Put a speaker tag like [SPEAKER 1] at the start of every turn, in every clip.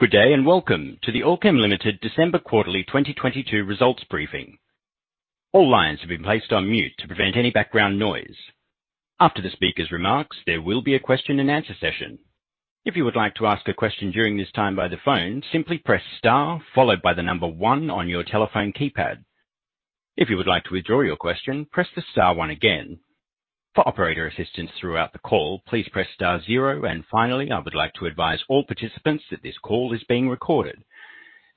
[SPEAKER 1] Good day. Welcome to the Allkem Limited December quarterly 2022 results briefing. All lines have been placed on mute to prevent any background noise. After the speaker's remarks, there will be a question and answer session. If you would like to ask a question during this time by the phone, simply press star followed by 1 on your telephone keypad. If you would like to withdraw your question, press the star 1 again. For operator assistance throughout the call, please press star 0. Finally, I would like to advise all participants that this call is being recorded.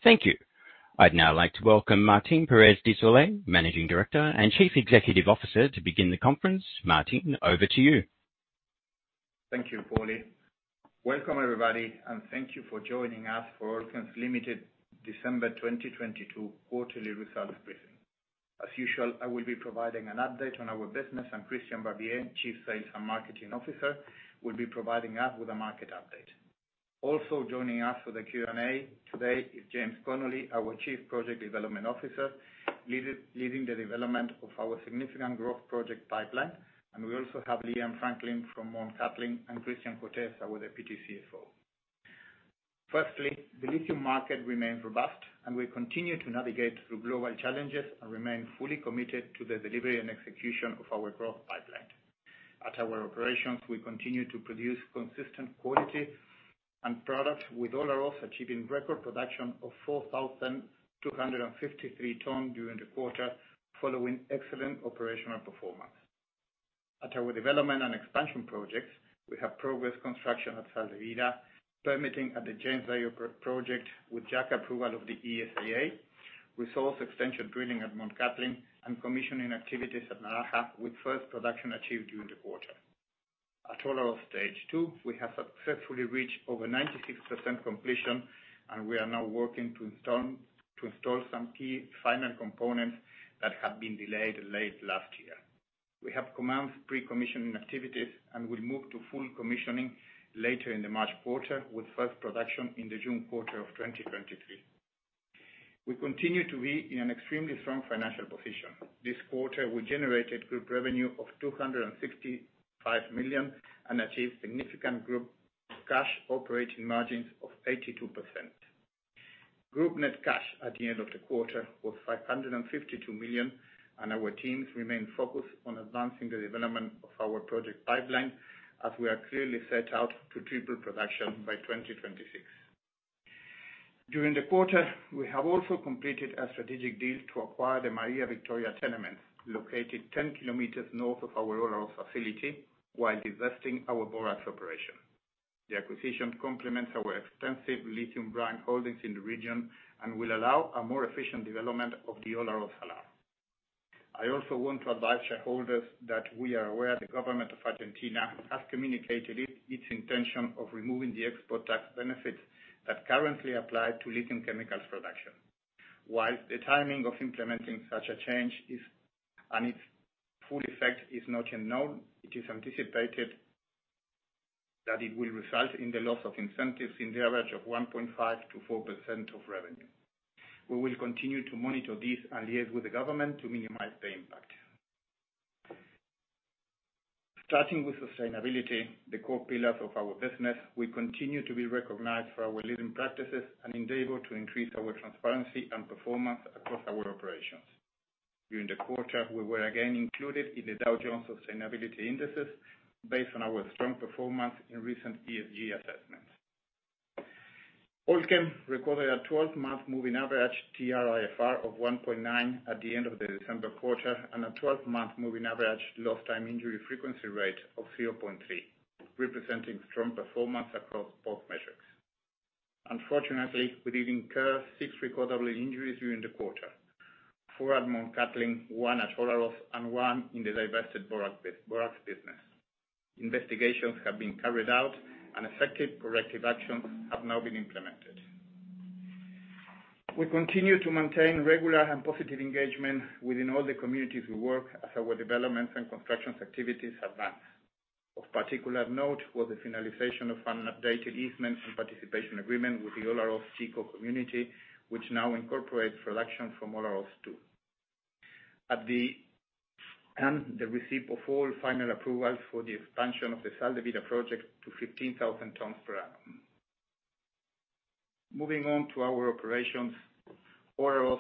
[SPEAKER 1] Thank you. I'd now like to welcome Martín Pérez de Solay, Managing Director and Chief Executive Officer, to begin the conference. Martín, over to you.
[SPEAKER 2] Thank you, Paulie. Welcome, everybody, and thank you for joining us for Allkem Limited December 2022 quarterly results briefing. As usual, I will be providing an update on our business, and Christian Barbier, Chief Sales and Marketing Officer, will be providing us with a market update. Also joining us for the Q&A today is James Connolly, our Chief Project Development Officer, leading the development of our significant growth project pipeline, and we also have Liam Franklin from Mt Cattlin and Christian Cortes, our Deputy CFO. Firstly, the Lithium market remains robust, and we continue to navigate through global challenges and remain fully committed to the delivery and execution of our growth pipeline. At our operations, we continue to produce consistent quality and product, with Olaroz achieving record production of 4,253 tons during the quarter, following excellent operational performance. At our development and expansion projects, we have progressed construction at Sal de Vida, permitting at the James Bay project with JAC approval of the ESIA, resource extension drilling at Mt Cattlin, and commissioning activities at Naraha, with first production achieved during the quarter. We are now working to install some key final components that have been delayed late last year. We have commenced pre-commissioning activities and will move to full commissioning later in the March quarter, with first production in the June quarter of 2023. We continue to be in an extremely strong financial position. This quarter, we generated group revenue of $265 million and achieved significant group cash operating margins of 82%. Group net cash at the end of the quarter was $552 million. Our teams remain focused on advancing the development of our project pipeline as we are clearly set out to triple production by 2026. During the quarter, we have also completed a strategic deal to acquire the Maria Victoria tenement, located 10 kilometers north of our Olaroz facility, while divesting our borax operation. The acquisition complements our extensive Lithium brine holdings in the region and will allow a more efficient development of the Olaroz salar. I also want to advise shareholders that we are aware the government of Argentina has communicated its intention of removing the export tax benefits that currently apply to Lithium chemical production. While the timing of implementing such a change is, and its full effect is not unknown, it is anticipated that it will result in the loss of incentives in the average of 1.5% to 4% of revenue. We will continue to monitor this and liaise with the government to minimize the impact. Starting with sustainability, the core pillar of our business, we continue to be recognized for our leading practices and endeavor to increase our transparency and performance across our operations. During the quarter, we were again included in the Dow Jones Sustainability Indices based on our strong performance in recent ESG assessments. Allkem recorded a 12-month moving average TRIFR of 1.9 at the end of the December quarter and a 12-month moving average lost time injury frequency rate of 0.3, representing strong performance across both metrics. Unfortunately, we did incur six recordable injuries during the quarter, four at Mt Cattlin, one at Olaroz, and one in the divested borax business. Investigations have been carried out, and effective corrective actions have now been implemented. We continue to maintain regular and positive engagement within all the communities we work as our development and construction activities advance. Of particular note was the finalization of an updated easement and participation agreement with the Olaroz Chico community, which now incorporates production from Olaroz II. At the, and the receipt of all final approvals for the expansion of the Sal de Vida project to 15,000 tons per annum. Moving on to our operations, Olaroz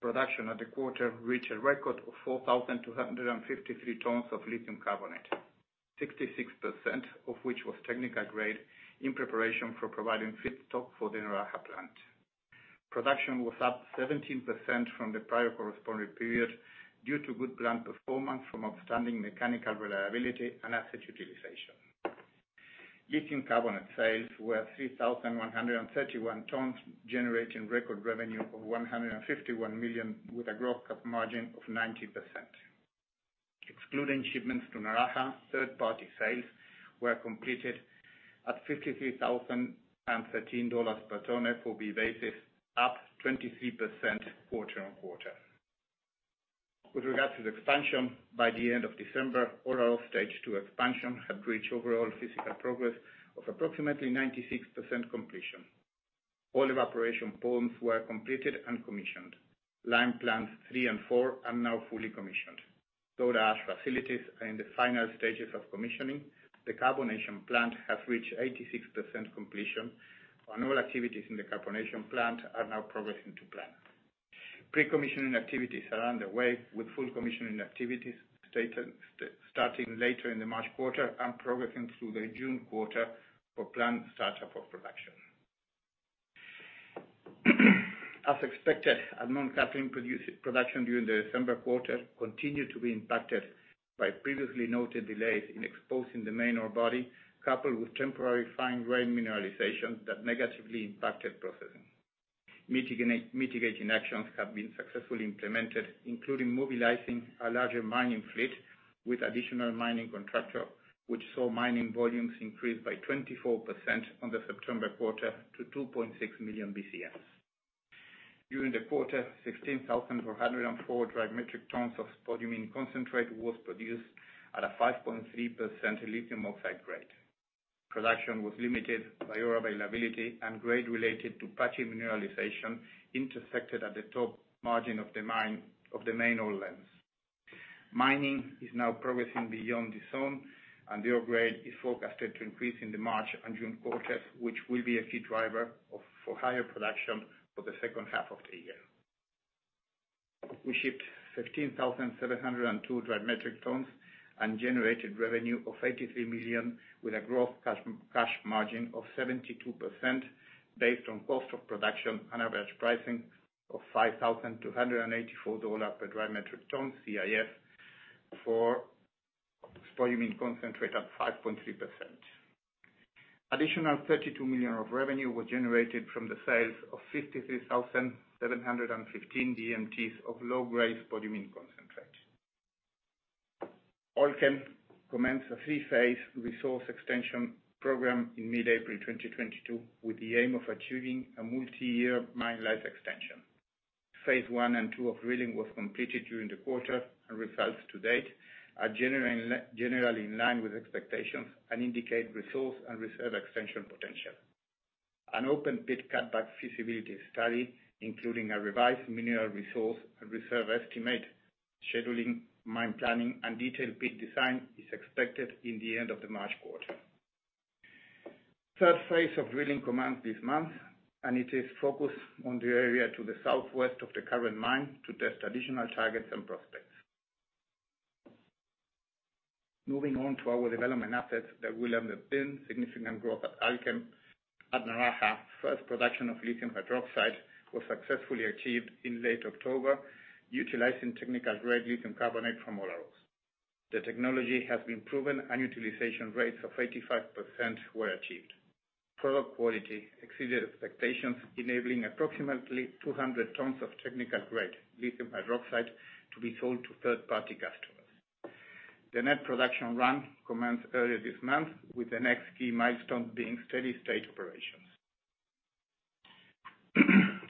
[SPEAKER 2] production at the quarter reached a record of 4,253 tons of Lithium carbonate, 66% of which was technical-grade in preparation for providing feedstock for the Naraha plant. Production was up 17% from the prior corresponding period due to good plant performance from outstanding mechanical reliability and asset utilization. Lithium carbonate sales were 3,131 tons, generating record revenue of $151 million, with a growth cost margin of 90%. Excluding shipments to Naraha, third-party sales were completed at $53,013 per ton FOB basis, up 23% quarter-on-quarter. With regards to the expansion, by the end of December, Olaroz stage two expansion had reached overall physical progress of approximately 96% completion. All evaporation ponds were completed and commissioned. Lime plants three and four are now fully commissioned. Soda ash facilities are in the final stages of commissioning. The carbonation plant has reached 86% completion, and all activities in the carbonation plant are now progressing to plan. Pre-commissioning activities are underway, with full commissioning activities starting later in the March quarter and progressing through the June quarter for plant startup of production. As expected, Allkem Catherine production during the December quarter continued to be impacted by previously noted delays in exposing the main ore body, coupled with temporary fine grain mineralization that negatively impacted processing. Mitigating actions have been successfully implemented, including mobilizing a larger mining fleet with additional mining contractor, which saw mining volumes increase by 24% on the September quarter to 2.6 million BCM. During the quarter, 16,404 dry metric tons of Spodumene concentrate was produced at a 5.3% Lithium oxide grade. Production was limited by availability and grade related to patchy mineralization intersected at the top margin of the main ore lens. Mining is now progressing beyond this zone, the ore grade is forecasted to increase in the March and June quarters, which will be a key driver for higher production for the second half of the year. We shipped 15,702 dry metric tons and generated revenue of $83 million, with a cash margin of 72% based on cost of production and average pricing of $5,284 per dry metric ton CIF for Spodumene concentrate at 5.3%. Additional $32 million of revenue was generated from the sales of 53,715 DMT of low-grade Spodumene concentrate. Allkem commenced a three-phase resource extension program in mid-April 2022, with the aim of achieving a multi-year mine life extension. Phase 1 and 2 of drilling was completed during the quarter. Results to date are generally in line with expectations and indicate resource and reserve extension potential. An open pit cutback feasibility study, including a revised mineral resource and reserve estimate, scheduling, mine planning, and detailed pit design is expected in the end of the March quarter. Third phase of drilling commenced this month. It is focused on the area to the southwest of the current mine to test additional targets and prospects. Moving on to our development assets that will underpin significant growth at Allkem. At Naraha, 1st production of Lithium hydroxide was successfully achieved in late October, utilizing technical-grade Lithium carbonate from Olaroz. The technology has been proven. Utilization rates of 85% were achieved. Product quality exceeded expectations, enabling approximately 200 tons of technical-grade Lithium hydroxide to be sold to third-party customers. The net production run commenced earlier this month, with the next key milestone being steady state operations.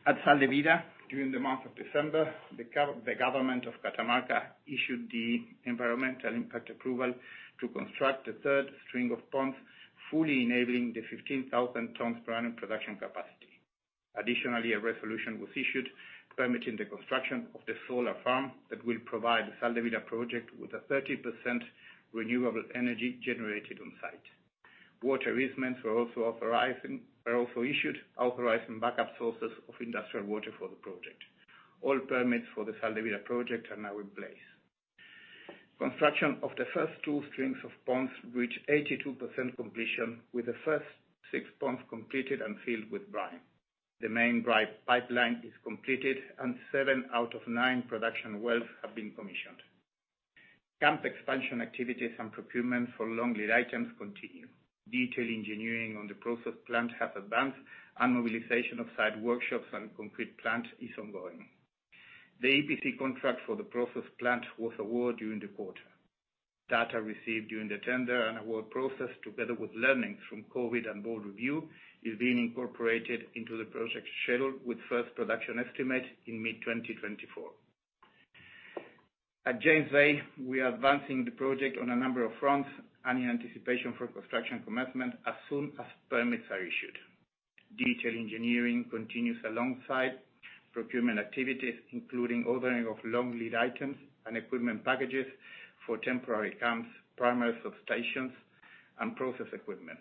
[SPEAKER 2] At Sal de Vida, during the month of December, the government of Catamarca issued the environmental impact approval to construct a third string of ponds, fully enabling the 15,000 tons per annum production capacity. A resolution was issued permitting the construction of the solar farm that will provide the Sal de Vida project with a 30% renewable energy generated on-site. Water easements were also issued, authorizing backup sources of industrial water for the project. All permits for the Sal de Vida project are now in place. Construction of the first two strings of ponds reached 82% completion, with the first six ponds completed and filled with brine. The main brine pipeline is completed and seven out of nine production wells have been commissioned. Camp expansion activities and procurement for long-lead items continue. Detailed engineering on the process plant has advanced, and mobilization of site workshops and concrete plant is ongoing. The EPC contract for the process plant was awarded during the quarter. Data received during the tender and award process, together with learnings from COVID and board review, is being incorporated into the project schedule, with first production estimate in mid-2024. At James Bay, we are advancing the project on a number of fronts and in anticipation for construction commencement as soon as permits are issued. Detailed engineering continues alongside procurement activities, including ordering of long-lead items and equipment packages for temporary camps, primary substations, and process equipment.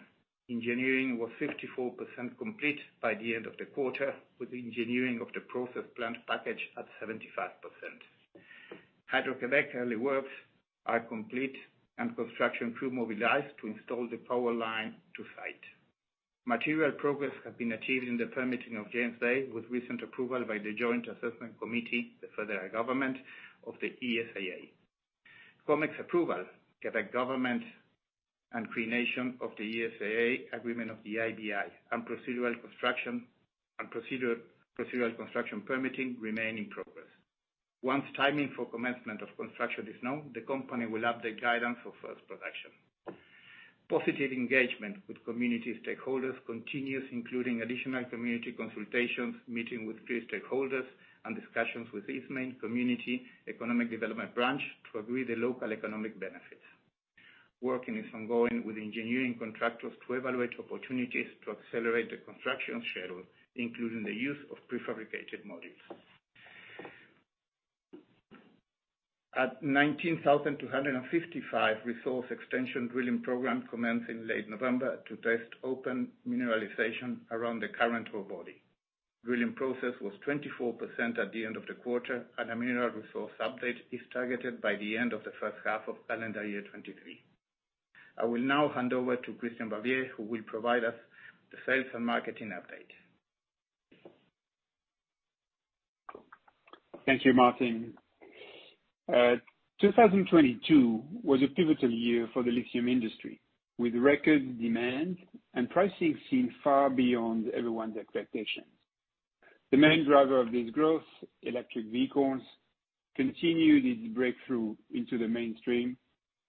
[SPEAKER 2] Engineering was 54% complete by the end of the quarter, with engineering of the process plant package at 75%. Hydro-Québec early works are complete and construction crew mobilized to install the power line to site. Material progress has been achieved in the permitting of James Bay, with recent approval by the Joint Assessment Committee, the federal government of the ESIA. COMEX's approval, Quebec government and creation of the ESIA Agreement of the IBA and procedural construction permitting remain in progress. Once timing for commencement of construction is known, the company will update guidance for first production. Positive engagement with community stakeholders continues, including additional community consultations, meeting with key stakeholders, and discussions with Eastmain Community Economic Development Branch to agree the local economic benefits. Work is ongoing with engineering contractors to evaluate opportunities to accelerate the construction schedule, including the use of prefabricated modules. At 19,255, resource extension drilling program commenced in late November to test open mineralization around the current ore body. Drilling process was 24% at the end of the quarter, and a mineral resource update is targeted by the end of the first half of calendar year 2023. I will now hand over to Christian Barbier, who will provide us the sales and marketing update.
[SPEAKER 3] Thank you, Martín. 2022 was a pivotal year for the Lithium industry, with record demand and pricing seen far beyond everyone's expectations. The main driver of this growth, electric vehicles, continued its breakthrough into the mainstream,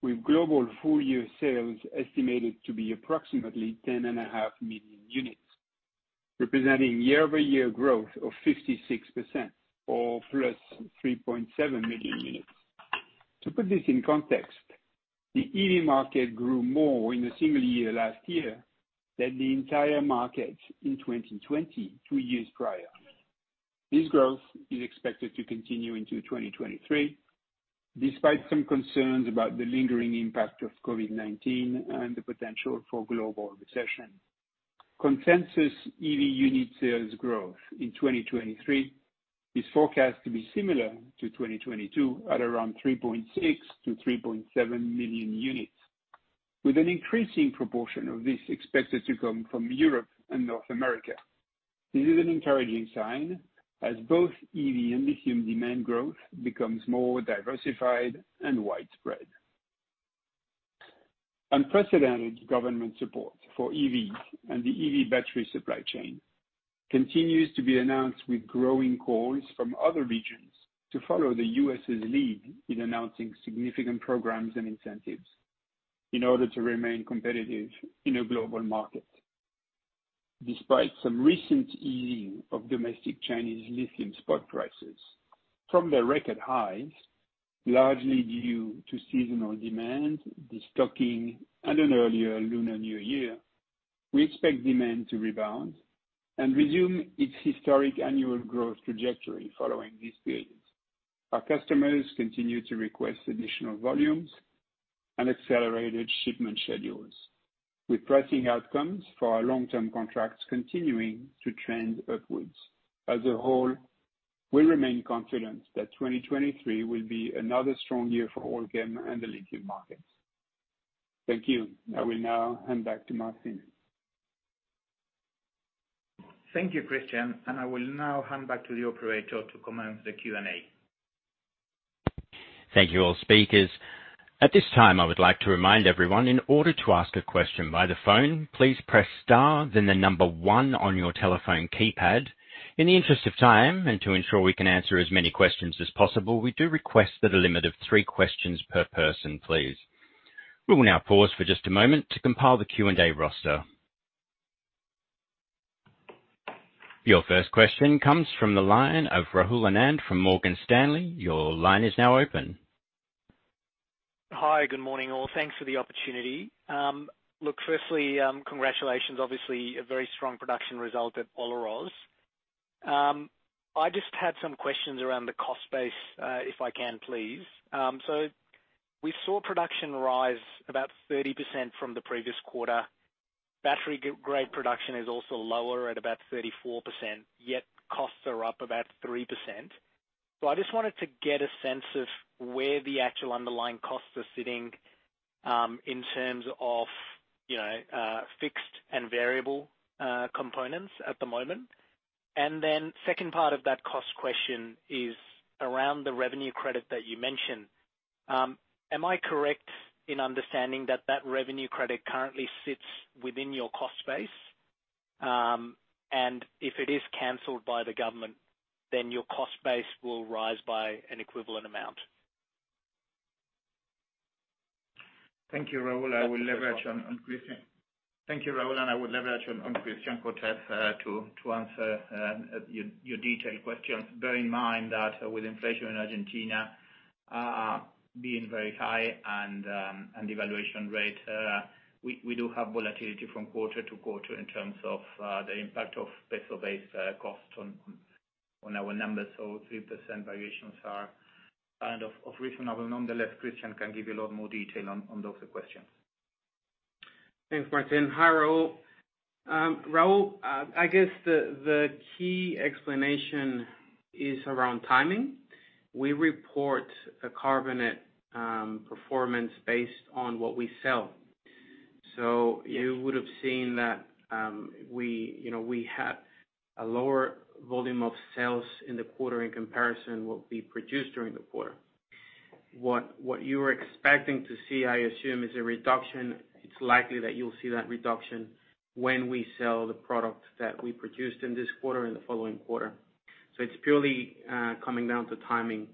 [SPEAKER 3] with global full year sales estimated to be approximately 10.5 million units, representing year-over-year growth of 56% or +3.7 million units. To put this in context, the EV market grew more in a single year last year than the entire market in 2020, two years prior. This growth is expected to continue into 2023, despite some concerns about the lingering impact of COVID-19 and the potential for global recession. Consensus EV unit sales growth in 2023 is forecast to be similar to 2022 at around 3.6 million-3.7 million units, with an increasing proportion of this expected to come from Europe and North America. This is an encouraging sign as both EV and Lithium demand growth becomes more diversified and widespread. Unprecedented government support for EVs and the EV battery supply chain continues to be announced with growing calls from other regions to follow the U.S.'s lead in announcing significant programs and incentives in order to remain competitive in a global market. Despite some recent easing of domestic Chinese Lithium spot prices from their record highs, largely due to seasonal demand, destocking and an earlier Lunar New Year, we expect demand to rebound and resume its historic annual growth trajectory following this period. Our customers continue to request additional volumes and accelerated shipment schedules with pricing outcomes for our long-term contracts continuing to trend upwards. As a whole, we remain confident that 2023 will be another strong year for Allkem and the Lithium markets. Thank you. I will now hand back to Martin.
[SPEAKER 2] Thank you, Christian, and I will now hand back to the operator to commence the Q&A.
[SPEAKER 1] Thank you, all speakers. At this time, I would like to remind everyone, in order to ask a question by the phone, please press star then the number 1 on your telephone keypad. In the interest of time and to ensure we can answer as many questions as possible, we do request that a limit of 3 questions per person, please. We will now pause for just a moment to compile the Q&A roster. Your first question comes from the line of Rahul Anand from Morgan Stanley. Your line is now open.
[SPEAKER 4] Hi, good morning, all. Thanks for the opportunity. Congratulations, obviously a very strong production result at Olaroz. I just had some questions around the cost base, if I can please. We saw production rise about 30% from the previous quarter. Battery-grade production is also lower at about 34%, yet costs are up about 3%. I just wanted to get a sense of where the actual underlying costs are sitting, in terms of, you know, fixed and variable components at the moment. Second part of that cost question is around the revenue credit that you mentioned. Am I correct in understanding that that revenue credit currently sits within your cost base? If it is canceled by the government, then your cost base will rise by an equivalent amount.
[SPEAKER 2] Thank you, Rahul. I will leverage on Christian. Thank you, Rahul, and I would leverage on Christian Cortes to answer your detailed questions. Bear in mind that with inflation in Argentina being very high and devaluation rate, we do have volatility from quarter to quarter in terms of the impact of peso-based costs on our numbers. 3% variations are kind of reasonable. Nonetheless, Christian can give you a lot more detail on those questions.
[SPEAKER 5] Thanks, Martin. Hi, Rahul. Rahul, I guess the key explanation is around timing. We report a carbonate performance based on what we sell. You would have seen that, we, you know, we had a lower volume of sales in the quarter in comparison what we produced during the quarter. What you were expecting to see, I assume, is a reduction. It's likely that you'll see that reduction when we sell the product that we produced in this quarter and the following quarter. It's purely coming down to timing.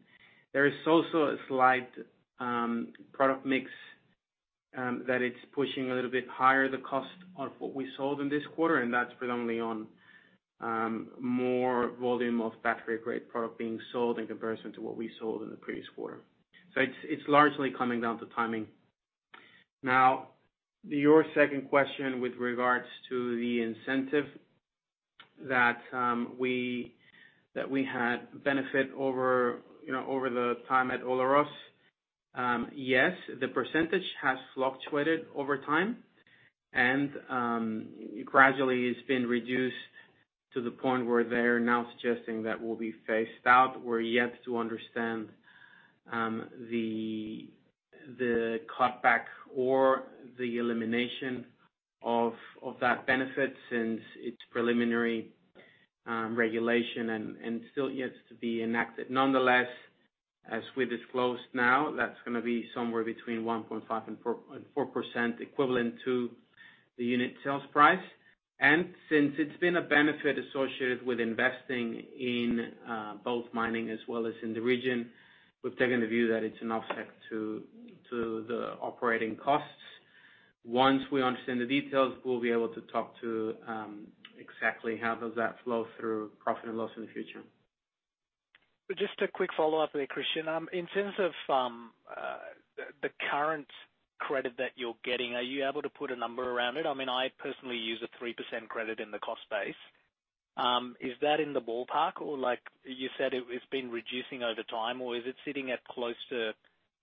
[SPEAKER 5] There is also a slight product mix that it's pushing a little bit higher the cost of what we sold in this quarter, and that's predominantly on. More volume of battery-grade product being sold in comparison to what we sold in the previous quarter. It's largely coming down to timing. Your second question with regards to the incentive that we had benefit over, you know, over the time at Olaroz. Yes, the percentage has fluctuated over time and gradually it's been reduced to the point where they're now suggesting that we'll be phased out. We're yet to understand the cutback or the elimination of that benefit since it's preliminary regulation and still yet to be enacted. Nonetheless, as we disclosed now, that's gonna be somewhere between 1.5%-4% equivalent to the unit sales price. Since it's been a benefit associated with investing in, both mining as well as in the region, we've taken the view that it's an offset to the operating costs. Once we understand the details, we'll be able to talk to exactly how does that flow through profit and loss in the future.
[SPEAKER 4] Just a quick follow-up there, Christian. In terms of the current credit that you're getting, are you able to put a number around it? I mean, I personally use a 3% credit in the cost base. Is that in the ballpark or like you said, it's been reducing over time, or is it sitting at close to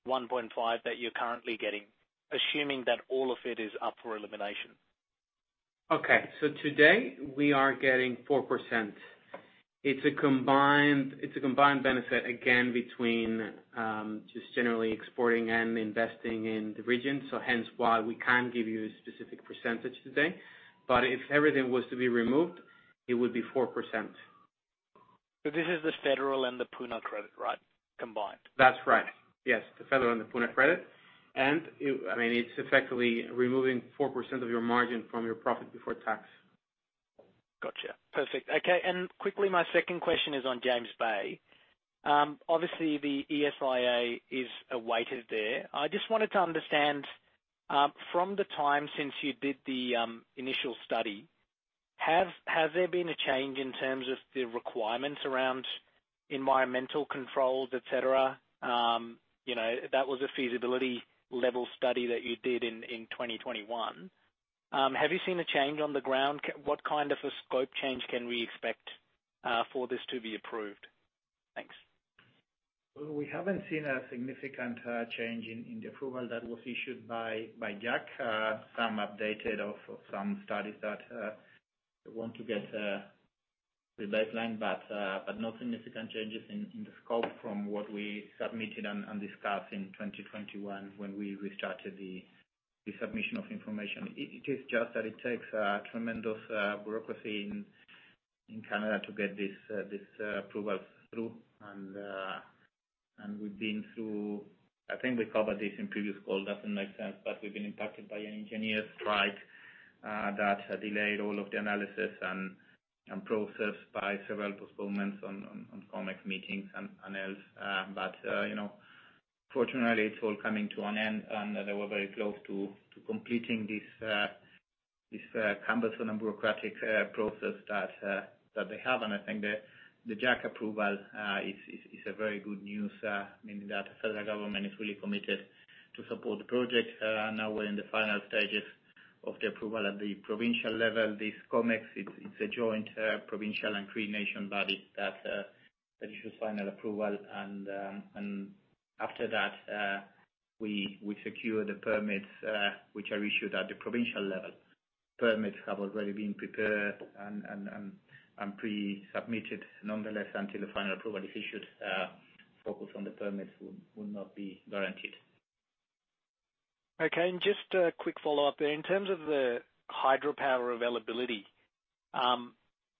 [SPEAKER 4] 1.5% that you're currently getting, assuming that all of it is up for elimination?
[SPEAKER 5] Today we are getting 4%. It's a combined benefit, again, between just generally exporting and investing in the region. Hence why we can't give you a specific percentage today. If everything was to be removed, it would be 4%.
[SPEAKER 4] This is the federal and the Puna credit, right? Combined.
[SPEAKER 5] That's right. Yes, the federal and the Puna credit. I mean, it's effectively removing 4% of your margin from your profit before tax.
[SPEAKER 4] Gotcha. Perfect. Okay. Quickly my second question is on James Bay. Obviously the ESIA is awaited there. I just wanted to understand, from the time since you did the initial study, have there been a change in terms of the requirements around environmental controls, et cetera? You know, that was a feasibility level study that you did in 2021. Have you seen a change on the ground? What kind of a scope change can we expect for this to be approved? Thanks.
[SPEAKER 2] Well, we haven't seen a significant change in the approval that was issued by JAC. Some updated of some studies that want to get the baseline, but no significant changes in the scope from what we submitted and discussed in 2021 when we restarted the submission of information. It is just that it takes a tremendous bureaucracy in Canada to get this approval through. We've been through. I think we covered this in previous call, doesn't make sense, but we've been impacted by an engineer strike that delayed all of the analysis and process by several postponements on COMEX meetings and else. You know, fortunately it's all coming to an end, and they were very close to completing this cumbersome and bureaucratic process that they have. I think the JAC approval is a very good news, meaning that the federal government is fully committed to support the project. Now we're in the final stages of the approval at the provincial level. This COMEX, it's a joint provincial and Cree Nation body that issues final approval. After that, we secure the permits, which are issued at the provincial level. Permits have already been prepared and pre-submitted. Nonetheless, until the final approval is issued, focus on the permits will not be guaranteed.
[SPEAKER 4] Okay. Just a quick follow-up there. In terms of the hydropower availability,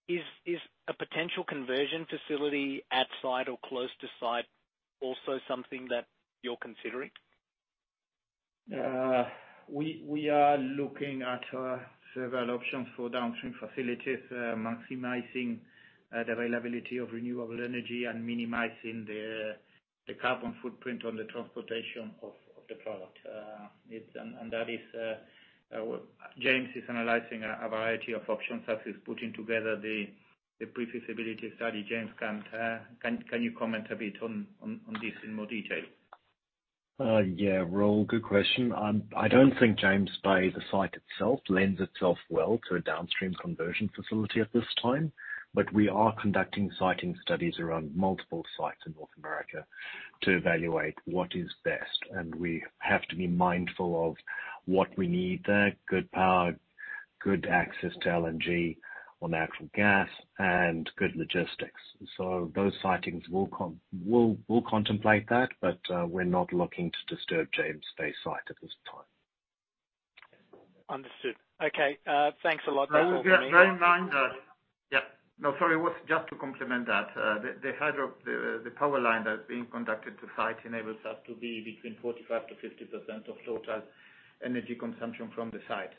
[SPEAKER 4] is a potential conversion facility at site or close to site also something that you're considering?
[SPEAKER 2] We are looking at several options for downstream facilities, maximizing the availability of renewable energy and minimizing the carbon footprint on the transportation of the product. That is, James is analyzing a variety of options as he's putting together the pre-feasibility study. James, can you comment a bit on this in more detail?
[SPEAKER 6] Yeah, Rahul, good question. I don't think James Bay, the site itself, lends itself well to a downstream conversion facility at this time. We are conducting siting studies around multiple sites in North America to evaluate what is best, and we have to be mindful of what we need there, good power, good access to LNG or natural gas, and good logistics. Those sightings we'll contemplate that, but we're not looking to disturb James Bay site at this time.
[SPEAKER 4] Understood. Okay. thanks a lot. That's all from me.
[SPEAKER 5] Rahul, yeah, bear in mind that... Yeah. No, sorry. It was just to complement that. The power line that's being conducted to site enables us to be between 45%-50% of total energy consumption from the site.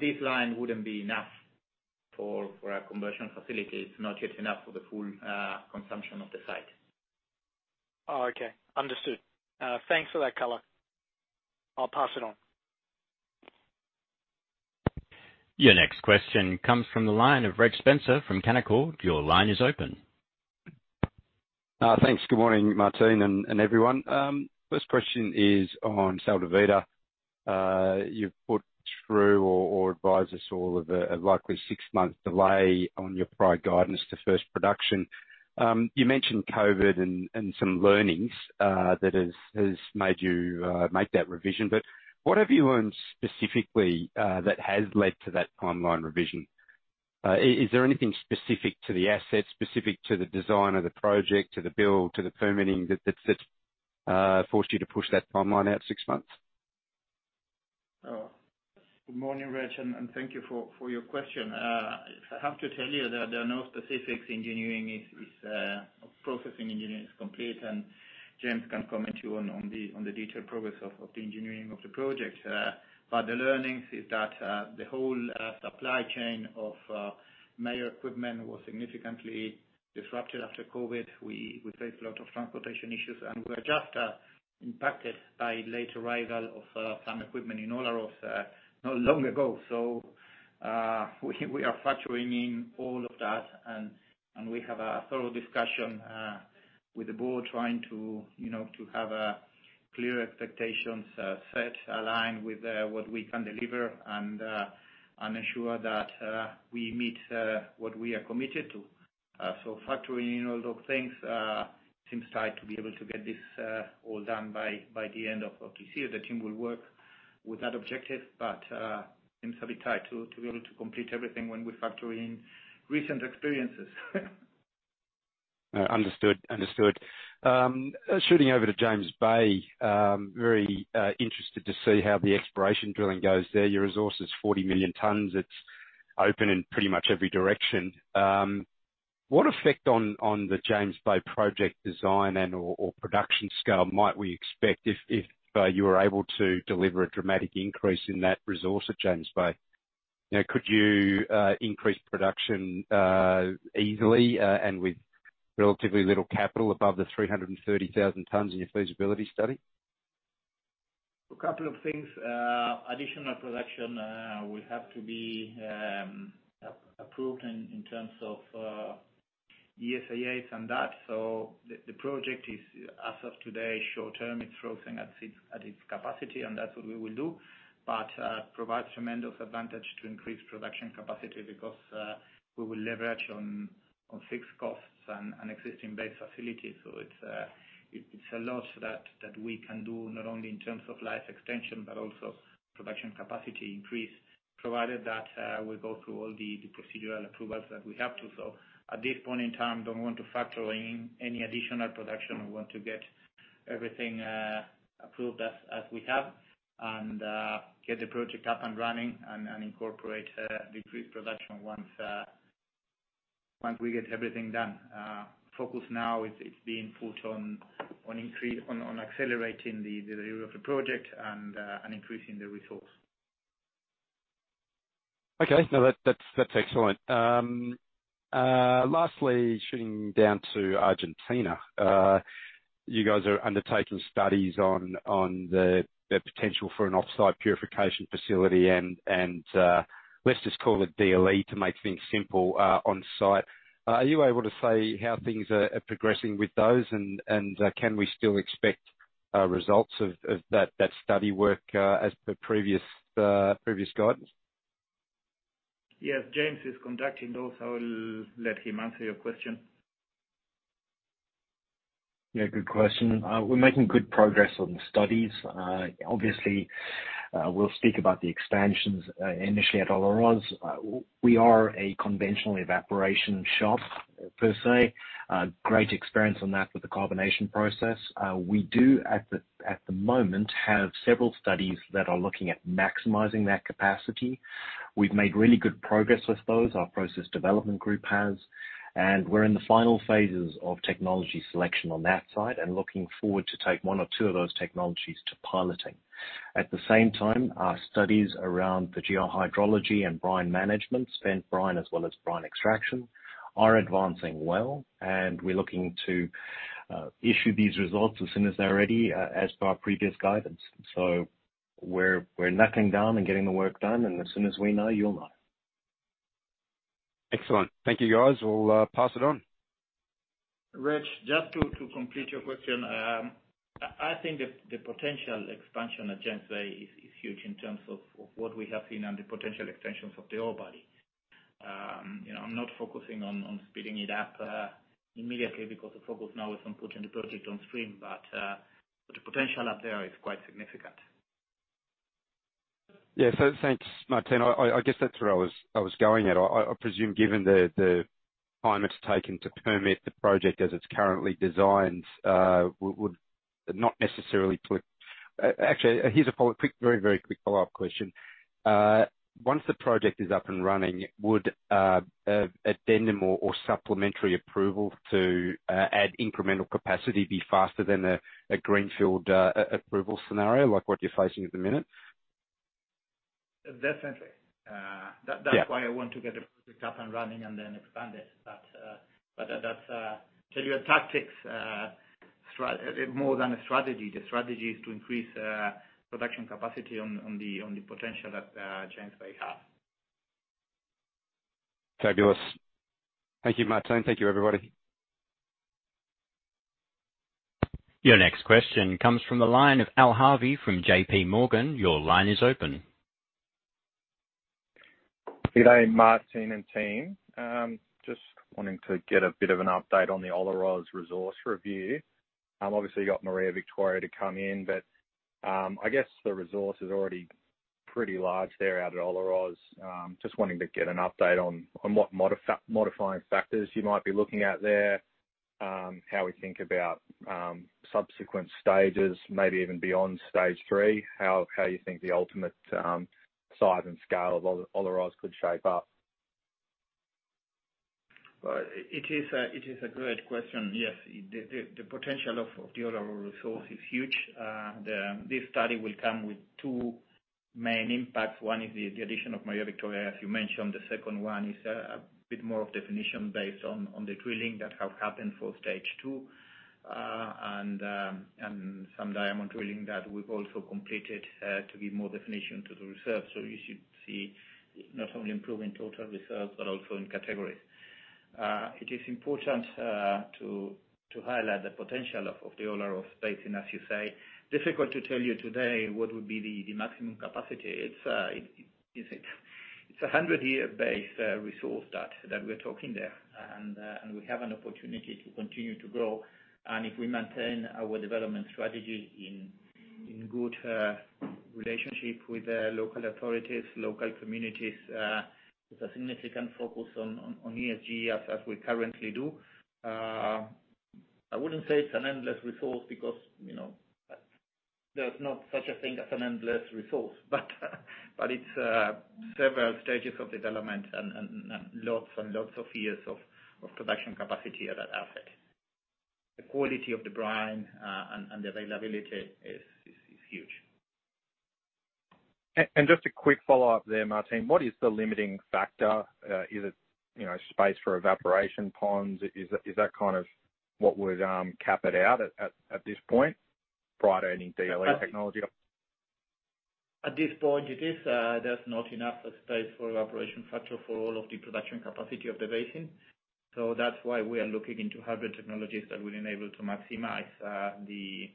[SPEAKER 5] This line wouldn't be enough for a conversion facility. It's not yet enough for the full consumption of the site.
[SPEAKER 4] Oh, okay. Understood. Thanks for that color. I'll pass it on.
[SPEAKER 1] Your next question comes from the line of Reg Spencer from Canaccord. Your line is open.
[SPEAKER 7] Thanks. Good morning, Martin and everyone. First question is on Sal de Vida. You've put through or advised us all of a likely six-month delay on your prior guidance to first production. You mentioned COVID and some learnings that has made you make that revision. What have you learned specifically that has led to that timeline revision? Is there anything specific to the asset, specific to the design of the project, to the build, to the permitting that's, that forced you to push that timeline out six months?
[SPEAKER 2] Good morning, Reg, and thank you for your question. I have to tell you that there are no specifics. Engineering is processing engineering is complete, James can comment you on the detailed progress of the engineering of the project. The learnings is that the whole supply chain of major equipment was significantly disrupted after COVID. We faced a lot of transportation issues, we're just impacted by late arrival of some equipment in Olaroz not long ago. We are factoring in all of that and we have a thorough discussion with the board trying to, you know, to have clear expectations set, aligned with what we can deliver and ensure that we meet what we are committed to. Factoring in all those things, seems tight to be able to get this all done by the end of this year. The team will work with that objective, but seems a bit tight to be able to complete everything when we factor in recent experiences.
[SPEAKER 7] Understood. Understood. Shooting over to James Bay, very interested to see how the exploration drilling goes there. Your resource is 40 million tons. It's open in pretty much every direction. What effect on the James Bay project design and-or, or production scale might we expect if you were able to deliver a dramatic increase in that resource at James Bay? Now, could you increase production easily and with relatively little capital above the 330,000 tons in your feasibility study?
[SPEAKER 2] A couple of things. Additional production will have to be approved in terms of ESAs and that. The project is, as of today, short term, it's frozen at its capacity, and that's what we will do. Provides tremendous advantage to increase production capacity because we will leverage on fixed costs and existing Bay facilities. It's a lot that we can do, not only in terms of life extension, but also production capacity increase, provided that we go through all the procedural approvals that we have to. At this point in time, don't want to factor in any additional production. We want to get everything approved as we have and get the project up and running and incorporate decreased production once we get everything done. Focus now is being put on accelerating the delivery of the project and increasing the resource.
[SPEAKER 7] that's excellent. Lastly, shooting down to Argentina, you guys are undertaking studies on the potential for an offsite purification facility and, let's just call it DLE to make things simple, on site. Are you able to say how things are progressing with those and can we still expect results of that study work as per previous guidance?
[SPEAKER 2] Yes. James is conducting those. I will let him answer your question.
[SPEAKER 6] Yeah, good question. We're making good progress on the studies. Obviously, we'll speak about the expansions initially at Olaroz. We are a conventional evaporation shop per se. Great experience on that with the carbonation process. We do at the moment have several studies that are looking at maximizing that capacity. We've made really good progress with those, our process development group has, and we're in the final phases of technology selection on that side and looking forward to take one or two of those technologies to piloting. At the same time, our studies around the geohydrology and brine management, spent brine as well as brine extraction, are advancing well, and we're looking to issue these results as soon as they're ready as per our previous guidance. We're knuckling down and getting the work done, and as soon as we know, you'll know.
[SPEAKER 7] Excellent. Thank you, guys. We'll pass it on.
[SPEAKER 2] Reg, just to complete your question. I think the potential expansion at James Bay is huge in terms of what we have seen and the potential extensions of the ore body. you know, I'm not focusing on speeding it up immediately because the focus now is on putting the project on stream. the potential up there is quite significant.
[SPEAKER 7] Yeah. Thanks, Martín. I guess that's where I was going at. I presume given the time it's taken to permit the project as it's currently designed, would not necessarily put... Actually, here's a follow-up, very quick follow-up question. Once the project is up and running, would addendum or supplementary approval to add incremental capacity be faster than a greenfield approval scenario like what you're facing at the minute?
[SPEAKER 2] Definitely.
[SPEAKER 7] Yeah...
[SPEAKER 2] that's why I want to get it up and running and then expand it. That's tell you our tactics more than a strategy. The strategy is to increase production capacity on the, on the potential that James Bay have.
[SPEAKER 7] Fabulous. Thank you, Martín. Thank you, everybody.
[SPEAKER 1] Your next question comes from the line of Alistair Harvey from J.P. Morgan. Your line is open.
[SPEAKER 8] Good day, Martín and team. Just wanting to get a bit of an update on the Olaroz resource review. Obviously you got Maria Victoria to come in, but, I guess the resource is already pretty large there out at Olaroz. Just wanting to get an update on what modifying factors you might be looking at there, how we think about subsequent stages, maybe even beyond stage three, how you think the ultimate size and scale of Olaroz could shape up.
[SPEAKER 2] Well, it is a great question. Yes. The potential of the Olaroz resource is huge. The study will come with two main impacts. One is the addition of Maria Victoria, as you mentioned. The second one is a bit more of definition based on the drilling that have happened for stage 2. Some diamond drilling that we've also completed to give more definition to the reserve. You should see not only improvement in total reserves, but also in categories. It is important to highlight the potential of the Olaroz space. As you say, difficult to tell you today what would be the maximum capacity. It's a 100-year base resource that we're talking there. We have an opportunity to continue to grow. If we maintain our development strategy in good relationship with the local authorities, local communities, with a significant focus on ESG as we currently do, I wouldn't say it's an endless resource because, you know, there's not such a thing as an endless resource. It's several stages of development and lots and lots of years of production capacity at that asset. The quality of the brine, and the availability is huge.
[SPEAKER 8] Just a quick follow-up there, Martin. What is the limiting factor? Is it, you know, space for evaporation ponds? Is that kind of what would cap it out at this point prior to any DLE technology?
[SPEAKER 2] At this point, it is, there's not enough space for evaporation factor for all of the production capacity of the basin. That's why we are looking into other technologies that will enable to maximize the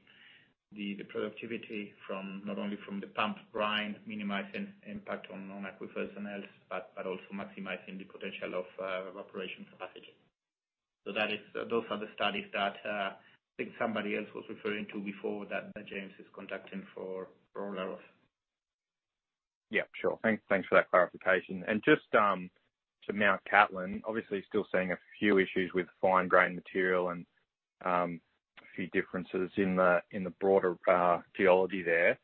[SPEAKER 2] productivity from, not only from the pump brine, minimizing impact on aquifers and else, but also maximizing the potential of evaporation capacity. Those are the studies that I think somebody else was referring to before that James is conducting for Olaroz.
[SPEAKER 8] Yeah, sure. Thanks for that clarification. Just to Mt Cattlin, obviously still seeing a few issues with fine-grain material and a few differences in the broader geology there.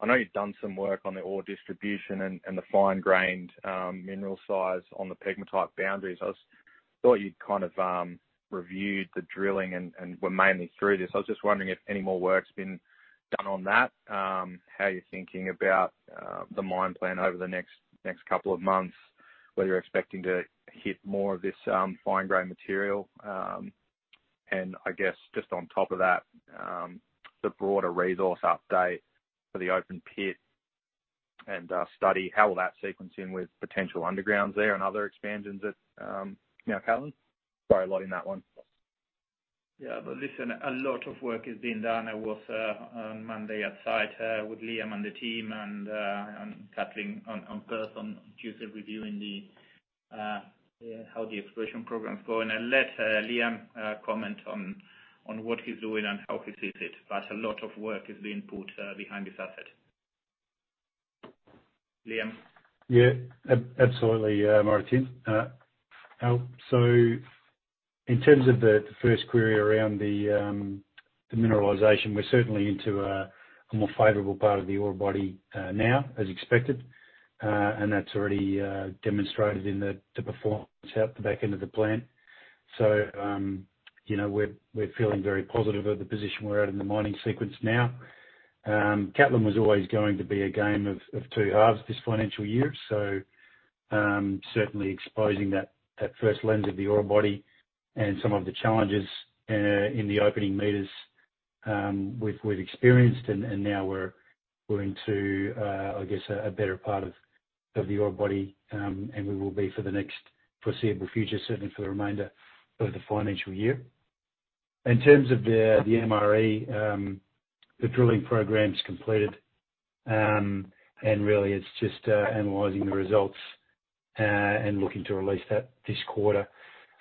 [SPEAKER 8] I know you've done some work on the ore distribution and the fine-grained mineral size on the pegmatite boundaries. I thought you'd kind of reviewed the drilling and we're mainly through this. I was just wondering if any more work's been done on that, how you're thinking about the mine plan over the next couple of months, whether you're expecting to hit more of this fine-grain material. I guess just on top of that, the broader resource update for the open pit and study, how will that sequence in with potential undergrounds there and other expansions at Mt Cattlin? Sorry, a lot in that one.
[SPEAKER 2] Yeah. Listen, a lot of work is being done. I was on Monday at site with Liam and the team and Catherine on person Tuesday reviewing the how the exploration program is going. I'll let Liam comment on what he's doing and how he sees it. A lot of work is being put behind this asset. Liam?
[SPEAKER 9] Yeah. Absolutely, Martin. Al, in terms of the first query around the mineralization, we're certainly into a more favorable part of the ore body now, as expected. That's already demonstrated in the performance out the back end of the plant. You know, we're feeling very positive of the position we're at in the mining sequence now. Mt Cattlin was always going to be a game of two halves this financial year. Certainly exposing that first lens of the ore body and some of the challenges in the opening meters, we've experienced. Now we're into, I guess, a better part of the ore body, and we will be for the next foreseeable future, certainly for the remainder of the financial year. In terms of the MRE, the drilling program's completed. Really it's just analyzing the results and looking to release that this quarter.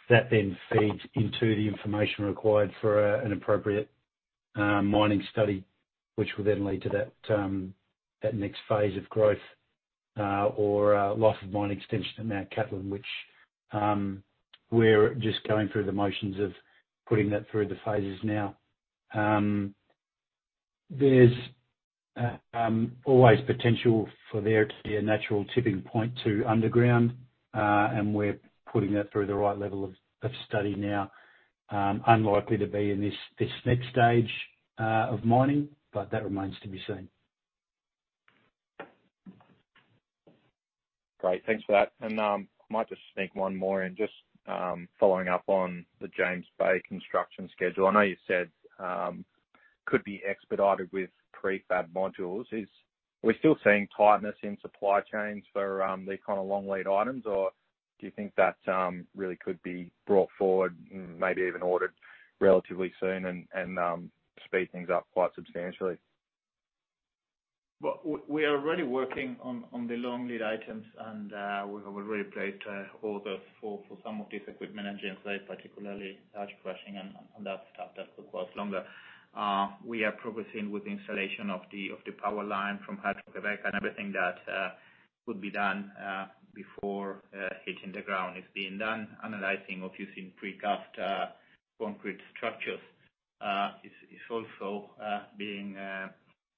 [SPEAKER 9] That then feeds into the information required for an appropriate mining study, which will then lead to that next phase of growth or life of mine extension at Mt Cattlin, which we're just going through the motions of putting that through the phases now. There's always potential for there to be a natural tipping point to underground, and we're putting that through the right level of study now. Unlikely to be in this next stage of mining, but that remains to be seen.
[SPEAKER 8] Great. Thanks for that. I might just sneak one more in. Following up on the James Bay construction schedule. I know you said could be expedited with prefab modules. Are we still seeing tightness in supply chains for these kind of long lead items? Do you think that really could be brought forward, maybe even ordered relatively soon and speed things up quite substantially?
[SPEAKER 2] Well, we are already working on the long lead items, and we have already placed orders for some of this equipment in James Bay, particularly large crushing and that stuff that requires longer. We are progressing with the installation of the power line from Hydro-Québec, and everything that could be done before hitting the ground is being done. Analyzing of using precast concrete structures is also being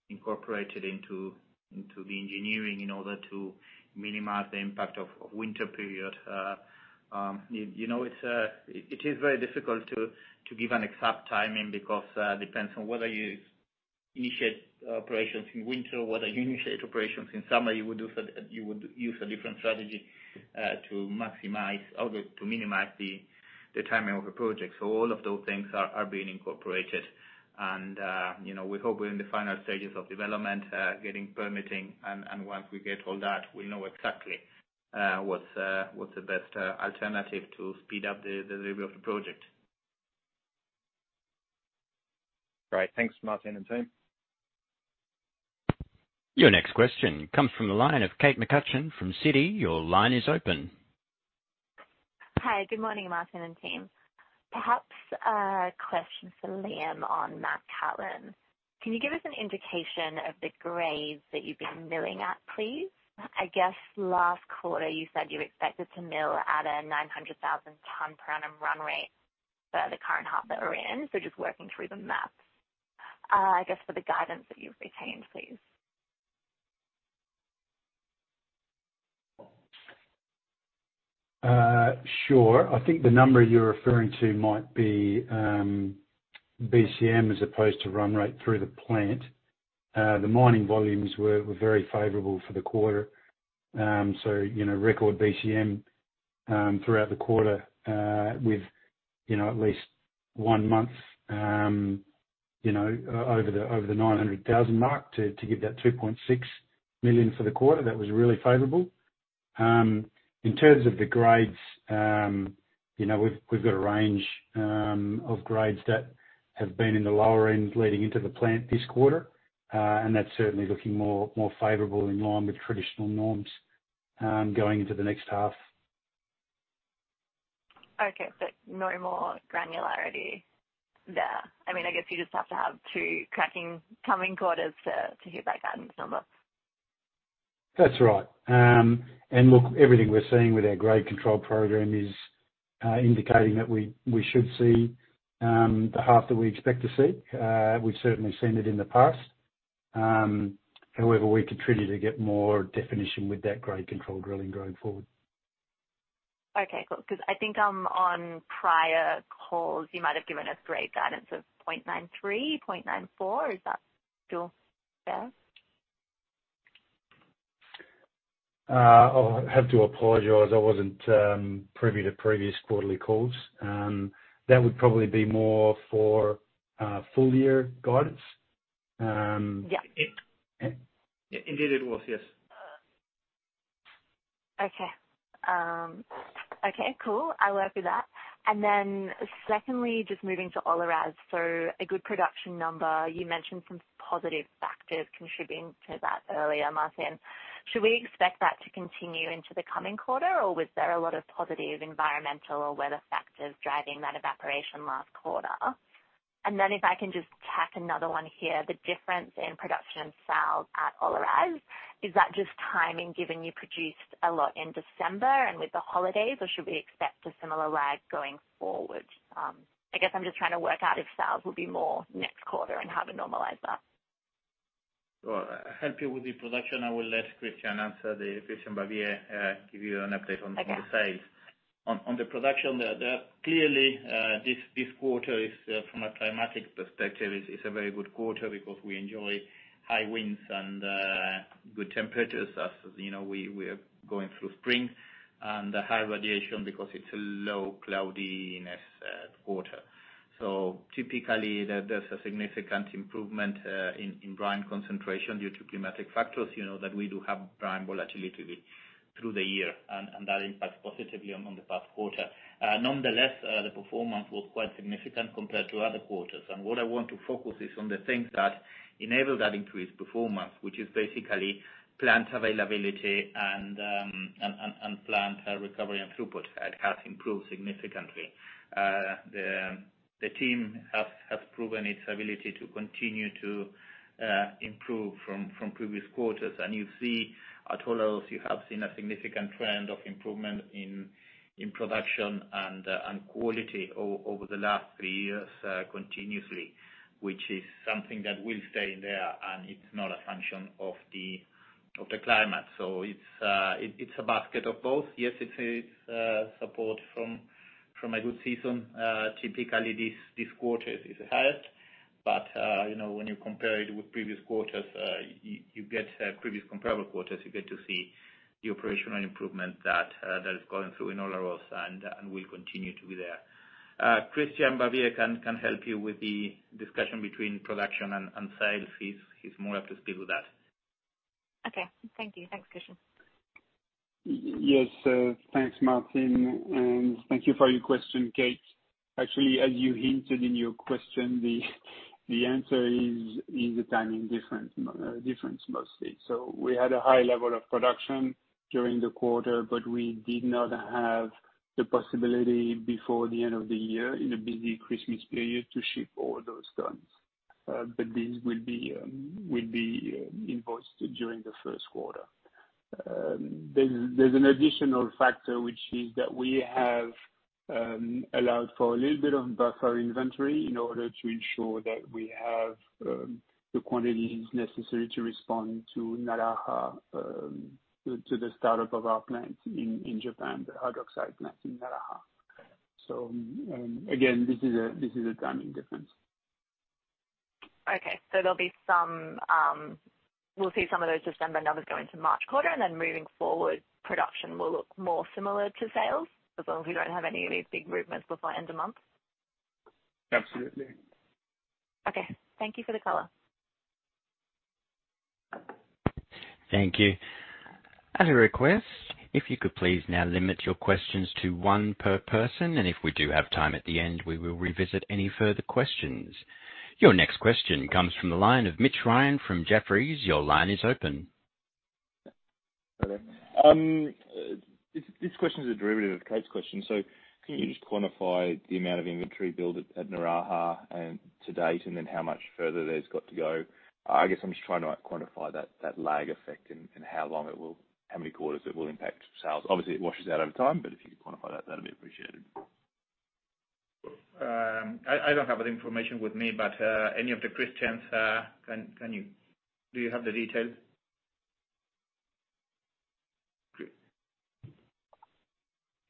[SPEAKER 2] incorporated into the engineering in order to minimize the impact of winter period. You know, it's it is very difficult to give an exact timing because depends on whether you initiate operations in winter, whether you initiate operations in summer. You would do so... You would use a different strategy, to maximize or to minimize the timing of a project. All of those things are being incorporated. You know, we hope we're in the final stages of development, getting permitting. Once we get all that, we know exactly, what's the best, alternative to speed up the delivery of the project.
[SPEAKER 8] Great. Thanks, Martín and team.
[SPEAKER 1] Your next question comes from the line of Kate McCutcheon from Citi. Your line is open.
[SPEAKER 10] Hi. Good morning, Martin and team. Perhaps a question for Liam on Mt Cattlin. Can you give us an indication of the grades that you've been milling at, please? I guess last quarter you said you expected to mill at a 900,000 ton per annum run rate for the current half that we're in, so just working through the math. I guess for the guidance that you've retained, please.
[SPEAKER 9] Sure. I think the number you're referring to might be BCM as opposed to run rate through the plant. The mining volumes were very favorable for the quarter. You know, record BCM throughout the quarter, with, you know, at least one month, you know, over the, over the 900,000 mark to give that 2.6 million for the quarter. That was really favorable. In terms of the grades, you know, we've got a range of grades that have been in the lower end leading into the plant this quarter. That's certainly looking more favorable in line with traditional norms, going into the next half.
[SPEAKER 10] Okay. No more granularity there. I mean, I guess you just have to have 2 cracking coming quarters to hit that guidance number.
[SPEAKER 9] That's right. Look, everything we're seeing with our grade control program is indicating that we should see the half that we expect to see. We've certainly seen it in the past. We're contributed to get more definition with that grade control drilling going forward.
[SPEAKER 10] Okay, cool. 'Cause I think, on prior calls you might have given us grade guidance of 0.93, 0.94. Is that still fair?
[SPEAKER 9] I'll have to apologize. I wasn't privy to previous quarterly calls. That would probably be more for full year guidance.
[SPEAKER 10] Yeah.
[SPEAKER 2] Indeed it was, yes.
[SPEAKER 10] Okay. Okay, cool. I'll work with that. Secondly, just moving to Olaroz. A good production number. You mentioned some positive factors contributing to that earlier, Martin. Should we expect that to continue into the coming quarter, or was there a lot of positive environmental or weather factors driving that evaporation last quarter? If I can just tack another one here, the difference in production sales at Olaroz, is that just timing, given you produced a lot in December and with the holidays, or should we expect a similar lag going forward? I guess I'm just trying to work out if sales will be more next quarter and how to normalize that.
[SPEAKER 2] Well, I'll help you with the production. I will let Christian answer the question, but we give you an update.
[SPEAKER 10] Okay.
[SPEAKER 2] on the sales. On the production, that clearly, this quarter is from a climatic perspective, a very good quarter because we enjoy high winds and good temperatures as you know, we're going through spring and a high radiation because it's a low cloudiness quarter. Typically there's a significant improvement in brine concentration due to climatic factors. You know that we do have brine volatility through the year, and that impacts positively on the past quarter. Nonetheless, the performance was quite significant compared to other quarters. What I want to focus is on the things that enable that increased performance, which is basically plant availability and plant recovery and throughput. It has improved significantly. The team has proven its ability to continue to improve from previous quarters. You see at Olaroz, you have seen a significant trend of improvement in production and quality over the last three years continuously, which is something that will stay there, and it's not a function of the
[SPEAKER 5] Of the climate. It's, it's a basket of both. It's support from a good season. Typically, these quarters is high but, you know, when you compare it with previous quarters, you get previous comparable quarters, you get to see the operational improvement that is going through in Olaroz and will continue to be there. Christian Cortes can help you with the discussion between production and sales. He's more up to speed with that.
[SPEAKER 10] Okay. Thank you. Thanks, Christian.
[SPEAKER 3] Yes. Thanks, Martín, and thank you for your question, Kate. Actually, as you hinted in your question, the answer is a timing difference mostly. We had a high level of production during the quarter, but we did not have the possibility before the end of the year in a busy Christmas period to ship all those tons. These will be invoiced during the Q1. There's an additional factor, which is that we have allowed for a little bit of buffer inventory in order to ensure that we have the quantities necessary to respond to Naraha, to the start-up of our plant in Japan, the hydroxide plant in Naraha. Again, this is a timing difference.
[SPEAKER 10] There'll be some. We'll see some of those December numbers go into March quarter. Moving forward, production will look more similar to sales as long as we don't have any of these big movements before end of month?
[SPEAKER 3] Absolutely.
[SPEAKER 10] Okay. Thank you for the color.
[SPEAKER 1] Thank you. At a request, if you could please now limit your questions to one per person, and if we do have time at the end, we will revisit any further questions. Your next question comes from the line of Mitch Ryan from Jefferies. Your line is open.
[SPEAKER 11] Hi there. This question is a derivative of Kate's question. Can you just quantify the amount of inventory build at Naraha to date, and then how much further that's got to go? I guess I'm just trying to quantify that lag effect and how many quarters it will impact sales. Obviously, it washes out over time, but if you could quantify that'd be appreciated.
[SPEAKER 2] I don't have the information with me, but any of the Christians, can you... Do you have the details?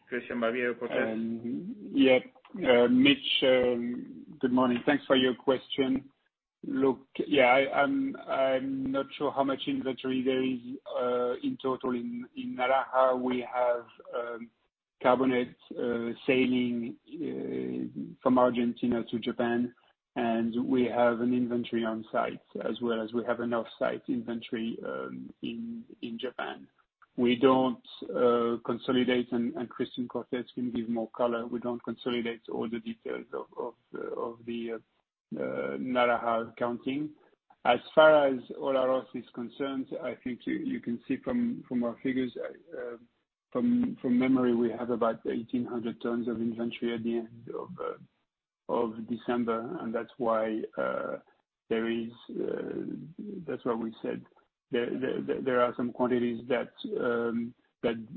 [SPEAKER 2] Christian Bavier or Cortez?
[SPEAKER 3] Yeah. Mitch, good morning. Thanks for your question. Look, yeah, I'm not sure how much inventory there is in total in Naraha. We have carbonate sailing from Argentina to Japan, and we have an inventory on site as well as we have an offsite inventory in Japan. We don't consolidate, and Christian Cortes can give more color. We don't consolidate all the details of the Naraha accounting. As far as Olaroz is concerned, I think you can see from our figures. From memory, we have about 1,800 tons of inventory at the end of December, and that's why there is... that's why we said there are some quantities that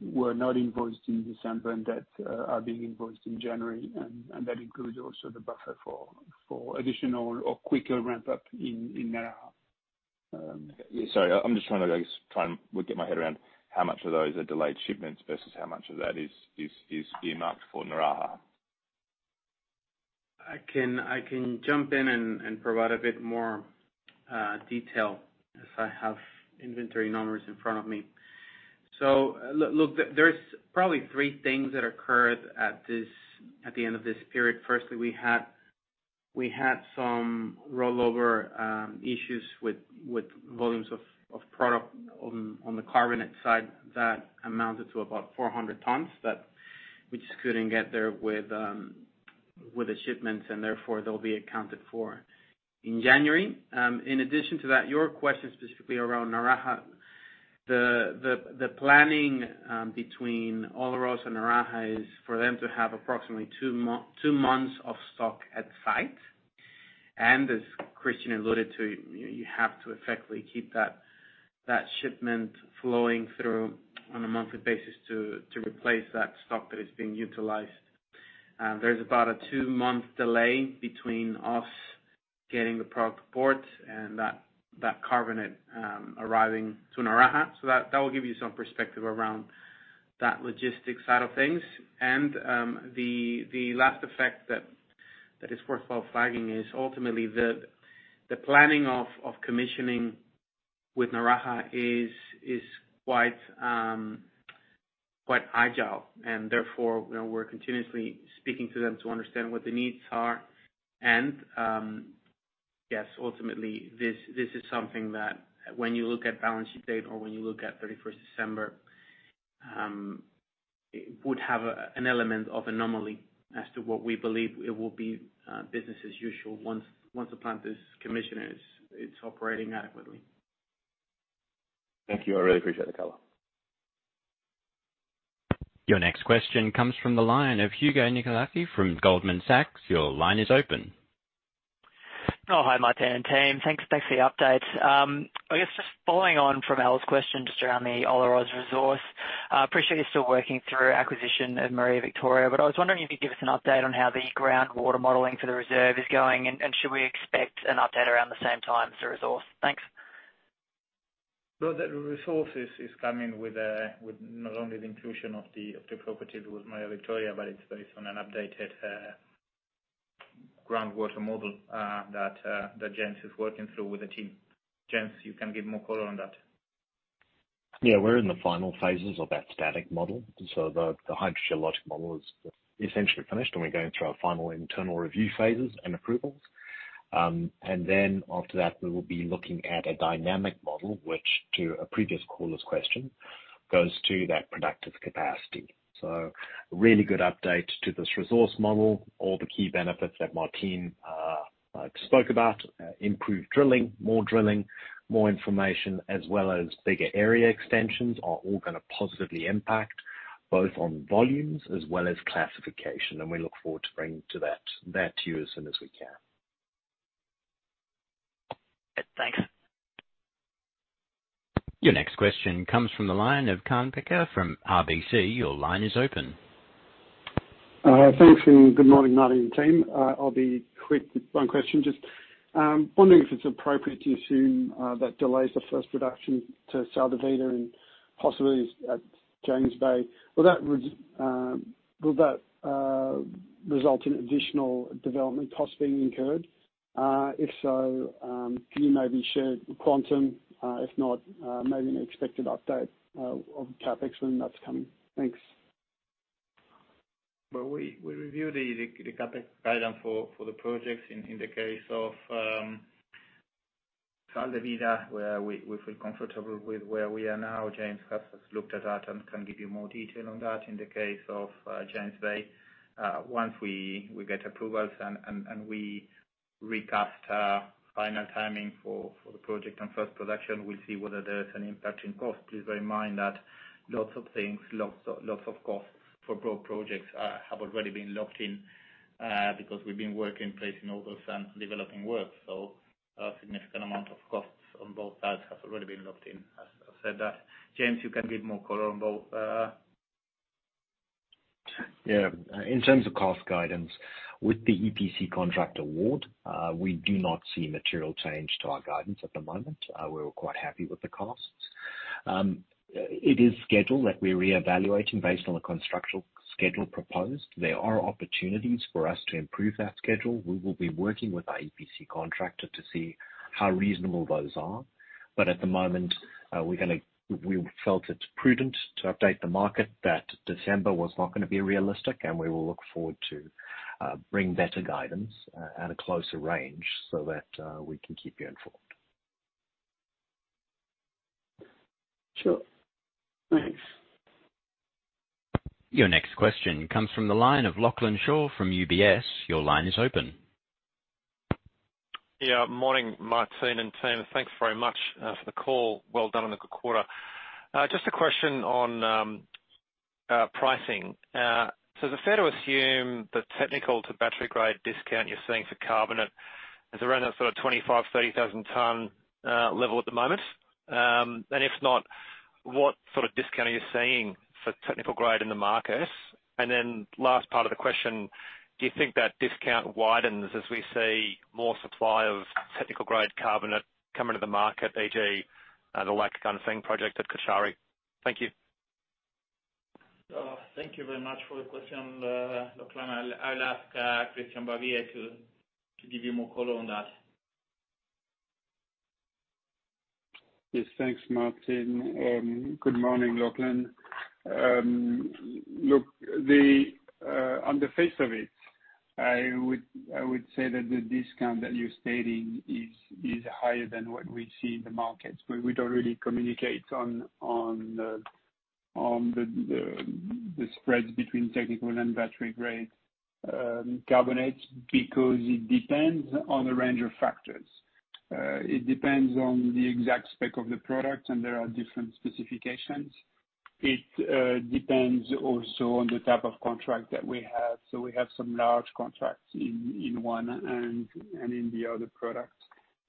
[SPEAKER 3] were not invoiced in December and that are being invoiced in January, and that includes also the buffer for additional or quicker ramp-up in Naraha.
[SPEAKER 11] Sorry, I'm just trying to, I guess, try and get my head around how much of those are delayed shipments versus how much of that is earmarked for Naraha.
[SPEAKER 5] I can jump in and provide a bit more detail as I have inventory numbers in front of me. There's probably three things that occurred at the end of this period. Firstly, we had some rollover issues with volumes of product on the carbonate side that amounted to about 400 tons that we just couldn't get there with the shipments, and therefore, they'll be accounted for in January. In addition to that, your question specifically around Naraha. The planning between Olaroz and Naraha is for them to have approximately 2 months of stock at site. As Christian alluded to, you have to effectively keep that shipment flowing through on a monthly basis to replace that stock that is being utilized. There's about a 2-month delay between us getting the product to port and that carbonate arriving to Naraha. That will give you some perspective around that logistics side of things. The last effect that is worthwhile flagging is ultimately the planning of commissioning with Naraha is quite agile, and therefore, you know, we're continuously speaking to them to understand what the needs are. Yes, ultimately, this is something that when you look at balance sheet date or when you look at 31st December, it would have an element of anomaly as to what we believe it will be business as usual once the plant is commissioned and it's operating adequately.
[SPEAKER 11] Thank you. I really appreciate the color.
[SPEAKER 1] Your next question comes from the line of Hugo Nicolaci from Goldman Sachs. Your line is open.
[SPEAKER 12] Oh, hi, Martín and team. Thanks. Thanks for the update. I guess just following on from Al's question just around the Olaroz resource. Appreciate you're still working through acquisition of Maria Victoria. I was wondering if you'd give us an update on how the groundwater modeling for the reserve is going. Should we expect an update around the same time as the resource? Thanks.
[SPEAKER 2] The resources is coming with not only the inclusion of the, of the properties with Maria Victoria, but it's based on an updated, groundwater model, that James is working through with the team. James, you can give more color on that.
[SPEAKER 6] We're in the final phases of that static model. The hydrogeologic model is essentially finished, and we're going through our final internal review phases and approvals. After that, we will be looking at a dynamic model, which to a previous caller's question, goes to that productive capacity. Really good update to this resource model. All the key benefits that Martin spoke about, improved drilling, more drilling, more information, as well as bigger area extensions are all gonna positively impact both on volumes as well as classification. We look forward to bringing that to you as soon as we can.
[SPEAKER 12] Thanks.
[SPEAKER 1] Your next question comes from the line of Kaan Peker from RBC. Your line is open.
[SPEAKER 13] Thanks, good morning, Martín and team. I'll be quick with one question. Just wondering if it's appropriate to assume that delays the first reduction to Sal de Vida and possibly at James Bay. Will that result in additional development costs being incurred? If so, can you maybe share the quantum? If not, maybe an expected update of CapEx when that's coming. Thanks.
[SPEAKER 2] Well, we reviewed the CapEx guidance for the projects in the case of Sal de Vida, where we feel comfortable with where we are now. James has looked at that and can give you more detail on that in the case of James Bay. Once we get approvals and we recast our final timing for the project and first production, we'll see whether there's an impact in cost. Please bear in mind that lots of things, lots of costs for both projects have already been locked in because we've been working, placing orders and developing work. So a significant amount of costs on both parts have already been locked in, as I've said that. James, you can give more color on both.
[SPEAKER 6] Yeah. In terms of cost guidance, with the EPC contract award, we do not see material change to our guidance at the moment. We were quite happy with the costs. It is scheduled that we're reevaluating based on the construction schedule proposed. There are opportunities for us to improve that schedule. We will be working with our EPC contractor to see how reasonable those are. At the moment, we felt it's prudent to update the market that December was not gonna be realistic, and we will look forward to bring better guidance at a closer range so that we can keep you informed.
[SPEAKER 13] Sure. Thanks.
[SPEAKER 1] Your next question comes from the line of Lachlan Shaw from UBS. Your line is open.
[SPEAKER 14] Yeah. Morning, Martin and team. Thanks very much for the call. Well done on the good quarter. Just a question on pricing. Is it fair to assume the technical to battery-grade discount you're seeing for carbonate is around that sort of $25,000-$30,000 ton level at the moment? If not, what sort of discount are you seeing for technical grade in the markets? Last part of the question, do you think that discount widens as we see more supply of technical grade carbonate coming to the market, e.g., the Lake Gunnseng project at Cauchari? Thank you.
[SPEAKER 2] Thank you very much for the question, Lachlan. I'll ask Christian Barbier to give you more color on that.
[SPEAKER 3] Yes, thanks, Martin. Good morning, Lachlan. Look, the on the face of it, I would say that the discount that you're stating is higher than what we see in the markets. We don't really communicate on the spreads between technical-grade and battery-grade carbonates because it depends on the range of factors. It depends on the exact spec of the product, there are different specifications. It depends also on the type of contract that we have. We have some large contracts in one and in the other products.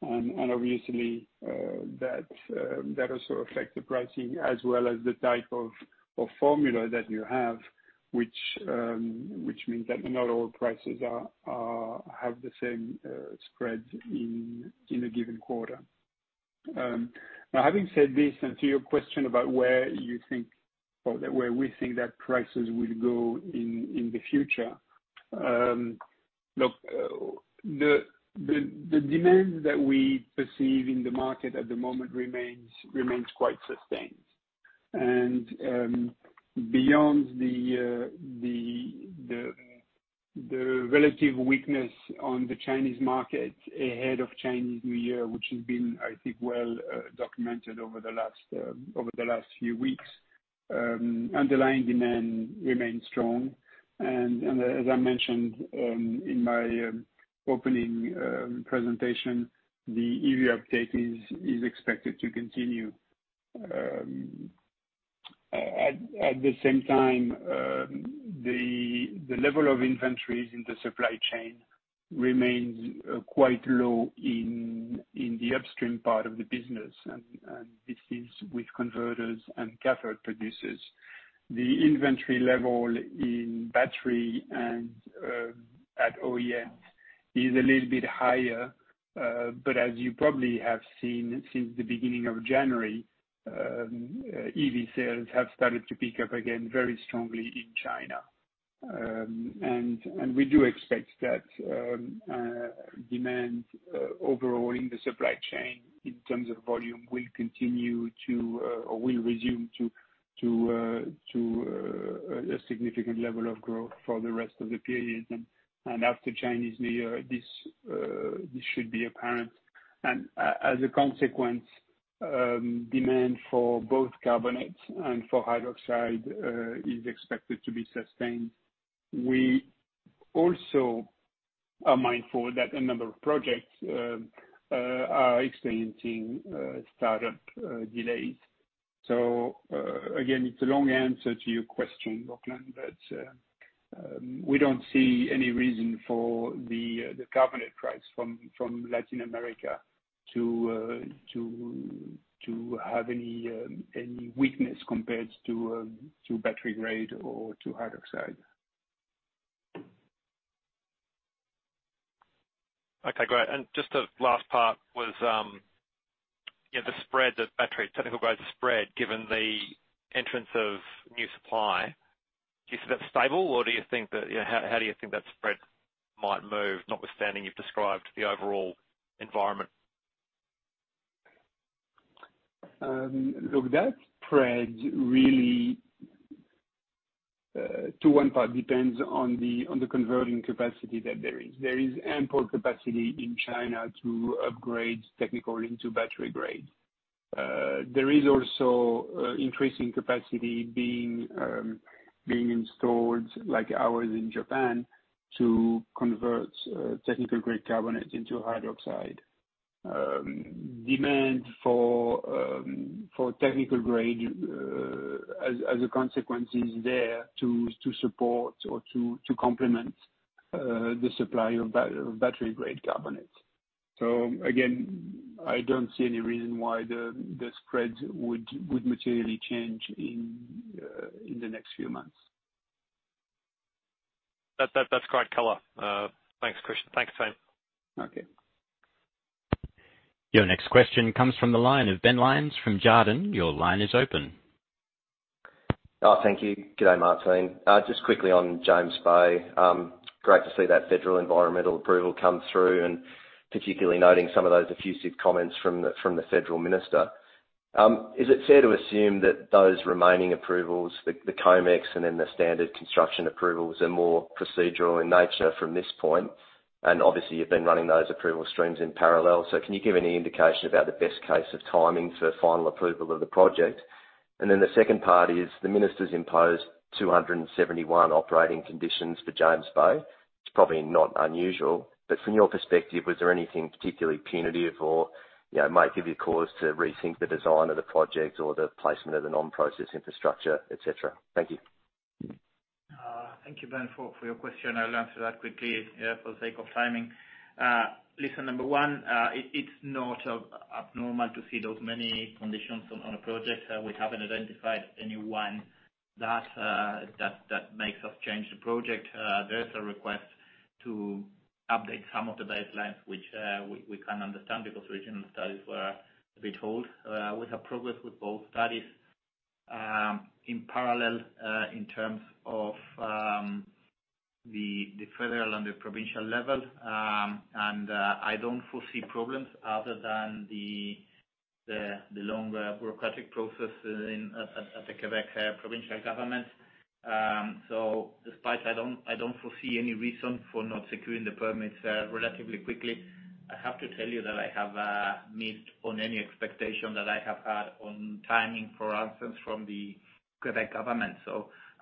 [SPEAKER 3] Obviously, that also affect the pricing as well as the type of formula that you have, which means that not all prices have the same spreads in a given quarter. Now having said this, and to your question about where you think or where we think that prices will go in the future, look, the demands that we perceive in the market at the moment remains quite sustained. Beyond the relative weakness on the Chinese market ahead of Chinese New Year, which has been, I think, well documented over the last, over the last few weeks, underlying demand remains strong. As I mentioned, in my opening presentation, the EV uptake is expected to continue. At the same time, the level of inventories in the supply chain remains quite low in the upstream part of the business. This is with converters and cathode producers. The inventory level in battery and at OEM is a little bit higher. As you probably have seen since the beginning of January, EV sales have started to pick up again very strongly in China. We do expect that demand overall in the supply chain in terms of volume will continue to or will resume to a significant level of growth for the rest of the period. After Chinese New Year, this should be apparent. As a consequence, demand for both carbonates and for hydroxide is expected to be sustained. We also are mindful that a number of projects are experiencing startup delays. Again, it's a long answer to your question, Lachlan, but we don't see any reason for the carbonate price from Latin America to have any weakness compared to battery-grade or to hydroxide.
[SPEAKER 14] Okay, great. Just a last part was, you know, the spread, the battery technical-grade spread, given the entrance of new supply, do you see that stable or do you think that, you know? How do you think that spread might move notwithstanding you've described the overall environment?
[SPEAKER 3] Look, that spread really, to one part depends on the converting capacity that there is. There is ample capacity in China to upgrade technical-grade into battery-grade. There is also increasing capacity being installed like ours in Japan to convert technical-grade carbonate into hydroxide. Demand for technical-grade, as a consequence, is there to support or to complement the supply of battery-grade carbonate. Again, I don't see any reason why the spread would materially change in the next few months.
[SPEAKER 14] That's great color. Thanks, Christian. Thanks, team.
[SPEAKER 3] Okay.
[SPEAKER 1] Your next question comes from the line of Ben Lyons from Jarden. Your line is open.
[SPEAKER 15] Thank you. Good day, Martin. Just quickly on James Bay. Great to see that federal environmental approval come through, and particularly noting some of those effusive comments from the Federal Minister. Is it fair to assume that those remaining approvals, the COMEX and then the standard construction approvals, are more procedural in nature from this point? Obviously you've been running those approval streams in parallel. Can you give any indication about the best case of timing for final approval of the project? The second part is the ministers imposed 271 operating conditions for James Bay. It's probably not unusual, but from your perspective, was there anything particularly punitive or, you know, might give you cause to rethink the design of the project or the placement of the non-process infrastructure, et cetera? Thank you.
[SPEAKER 2] Thank you, Ben, for your question. I'll answer that quickly, for sake of timing. Listen, number 1, it's not abnormal to see those many conditions on a project. We haven't identified any one that makes us change the project. There is a request to update some of the baselines which we can understand because regional studies were a bit old. We have progress with both studies in parallel in terms of the federal and the provincial level. I don't foresee problems other than the long bureaucratic process in the Quebec provincial government. Despite I don't foresee any reason for not securing the permits relatively quickly. I have to tell you that I have missed on any expectation that I have had on timing, for instance, from the Quebec government.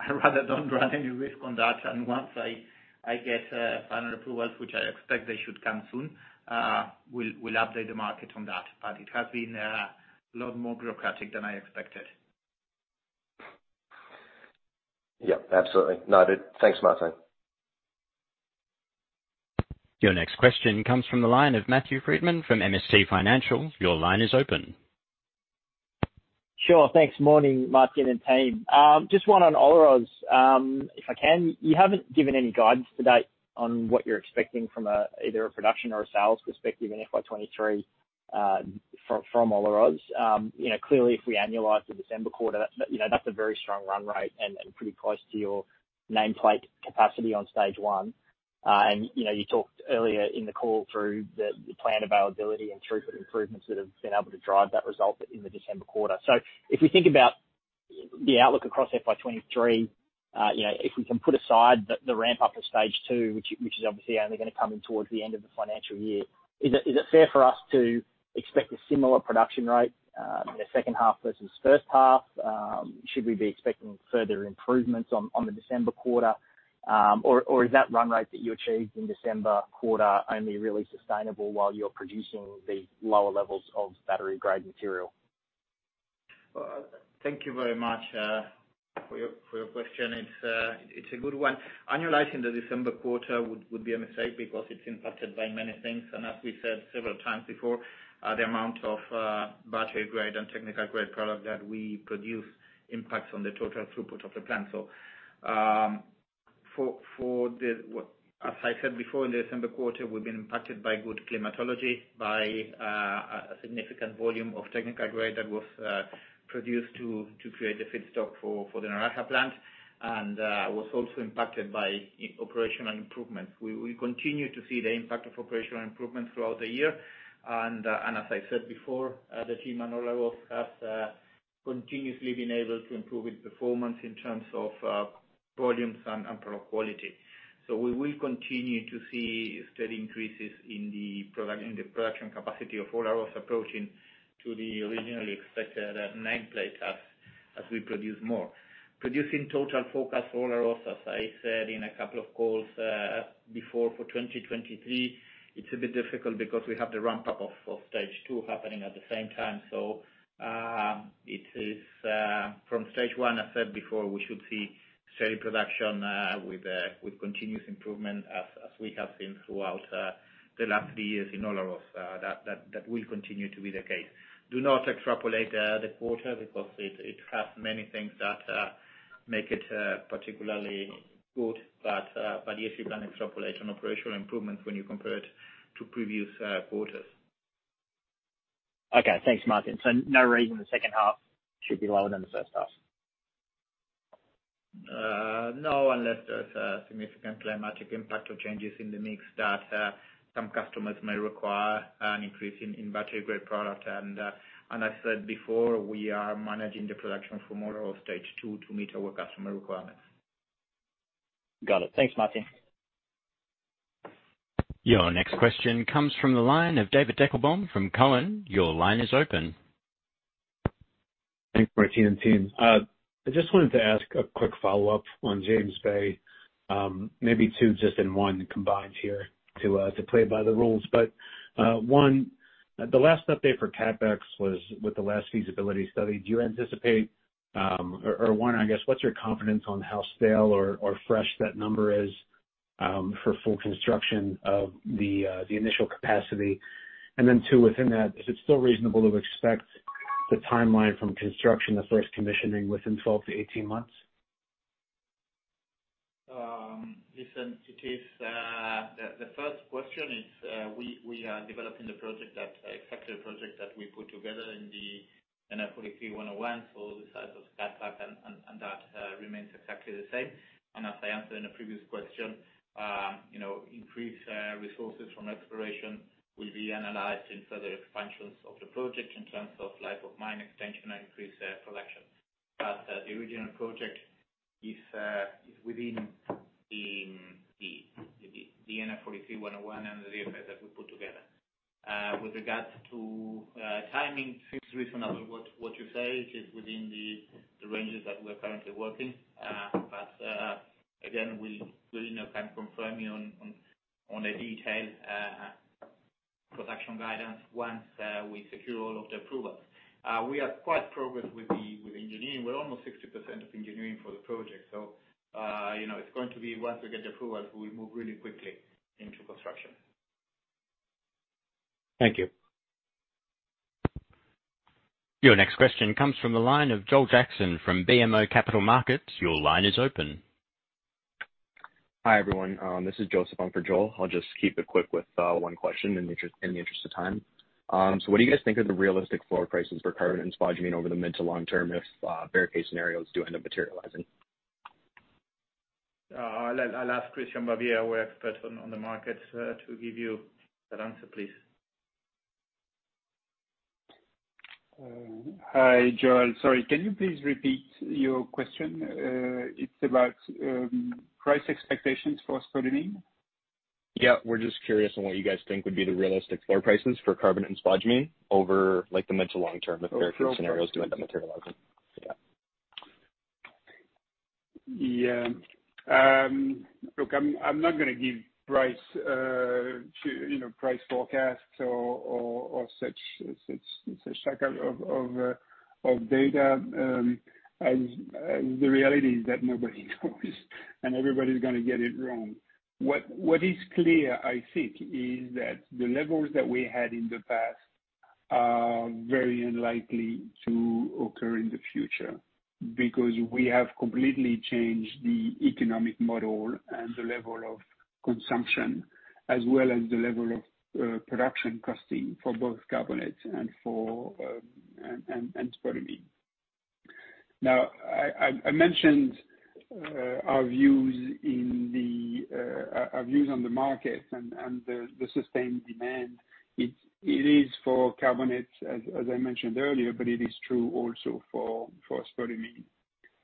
[SPEAKER 2] I rather don't run any risk on that. Once I get final approvals, which I expect they should come soon, we'll update the market on that. It has been a lot more bureaucratic than I expected.
[SPEAKER 15] Absolutely. Noted. Thanks, Martín.
[SPEAKER 1] Your next question comes from the line of Matthew Freedman from MST Financial. Your line is open.
[SPEAKER 3] Sure. Thanks. Morning, Martine and team. Just one on Olaroz, if I can. You haven't given any guidance to date on what you're expecting from either a production or a sales perspective in FY 2023 from Olaroz. You know, clearly, if we annualize the December quarter, that's, you know, a very strong run rate and pretty close to your nameplate capacity on Stage 1. You know, you talked earlier in the call through the planned availability and throughput improvements that have been able to drive that result in the December quarter. If we think about the outlook across FY 2023, you know, if we can put aside the ramp-up of Stage 2, which is obviously only gonna come in towards the end of the financial year, is it fair for us to expect a similar production rate, you know, second half versus first half? Should we be expecting further improvements on the December quarter? Or is that run rate that you achieved in December quarter only really sustainable while you're producing the lower levels of battery-grade material?
[SPEAKER 2] Well, thank you very much for your question. It's a good one. Annualizing the December quarter would be a mistake because it's impacted by many things. As we said several times before, the amount of battery-grade and technical-grade product that we produce impacts on the total throughput of the plant. For the... As I said before, in the December quarter, we've been impacted by good climatology by a significant volume of technical-grade that was produced to create the feedstock for the Naraha plant and was also impacted by operational improvements. We continue to see the impact of operational improvements throughout the year. As I said before, the team at Olaroz has continuously been able to improve its performance in terms of volumes and product quality. We will continue to see steady increases in the production capacity of Olaroz approaching to the originally expected nameplate as we produce more. Producing total focus Olaroz, as I said in a couple of calls before, for 2023, it's a bit difficult because we have the ramp-up of stage two happening at the same time. It is from stage one, I said before, we should see steady production with continuous improvement as we have seen throughout the last three years in Olaroz. That will continue to be the case. Do not extrapolate the quarter because it has many things that make it particularly good. Yes, you can extrapolate on operational improvements when you compare it to previous quarters.
[SPEAKER 16] Okay. Thanks, Martín. No reason the second half should be lower than the first half?
[SPEAKER 2] No, unless there's a significant climatic impact or changes in the mix that, some customers may require an increase in battery-grade product. I said before, we are managing the production for more of stage 2 to meet our customer requirements.
[SPEAKER 16] Got it. Thanks, Martín.
[SPEAKER 1] Your next question comes from the line of David Deckelbaum from Cowen. Your line is open.
[SPEAKER 17] Thanks, Martin and team. I just wanted to ask a quick follow-up on James Bay, maybe 2 just in 1 combined here to play by the rules. 1, the last update for CapEx was with the last feasibility study. Do you anticipate, or 1, I guess, what's your confidence on how stale or fresh that number is, for full construction of the initial capacity? 2, within that, is it still reasonable to expect the timeline from construction to first commissioning within 12 to 18 months?
[SPEAKER 2] Listen, it is. The first question is, we are developing the project that accepted project that we put together in the NI 43-101. The size of CapEx and that remains exactly the same. As I answered in a previous question, you know, increased resources from exploration will be analyzed in further expansions of the project in terms of life of mine extension and increased production. The original project is within the NI 43-101 and the effect that we put together. With regards to timing reasonable, what you say is within the ranges that we're currently working. Again, we, you know, can confirm you on the detailed production guidance once we secure all of the approvals. We are quite progressed with engineering. We're almost 60% of engineering for the project. You know, it's going to be once we get the approvals, we'll move really quickly into construction.
[SPEAKER 17] Thank you.
[SPEAKER 1] Your next question comes from the line of Joel Jackson from BMO Capital Markets. Your line is open.
[SPEAKER 18] Hi, everyone. This is Joseph on for Joel. I'll just keep it quick with 1 question in the interest of time. What do you guys think are the realistic floor prices for carbon and spodumene over the mid to long term if bear case scenarios do end up materializing?
[SPEAKER 2] I'll ask Christian Barbier, our expert on the markets, to give you that answer, please.
[SPEAKER 3] Hi, Joel. Sorry, can you please repeat your question? It's about price expectations for spodumene.
[SPEAKER 18] Yeah. We're just curious on what you guys think would be the realistic floor prices for carbon and spodumene over like the mid to long term if bear case scenarios do end up materializing. Yeah.
[SPEAKER 3] Yeah. Look, I'm not gonna give price to... You know, price forecasts or such tracker of data as the reality is that nobody knows and everybody's gonna get it wrong. What is clear, I think, is that the levels that we had in the past are very unlikely to occur in the future because we have completely changed the economic model and the level of consumption as well as the level of production costing for both carbonates and for spodumene. I mentioned our views on the market and the sustained demand. It is for carbonates as I mentioned earlier, it is true also for spodumene.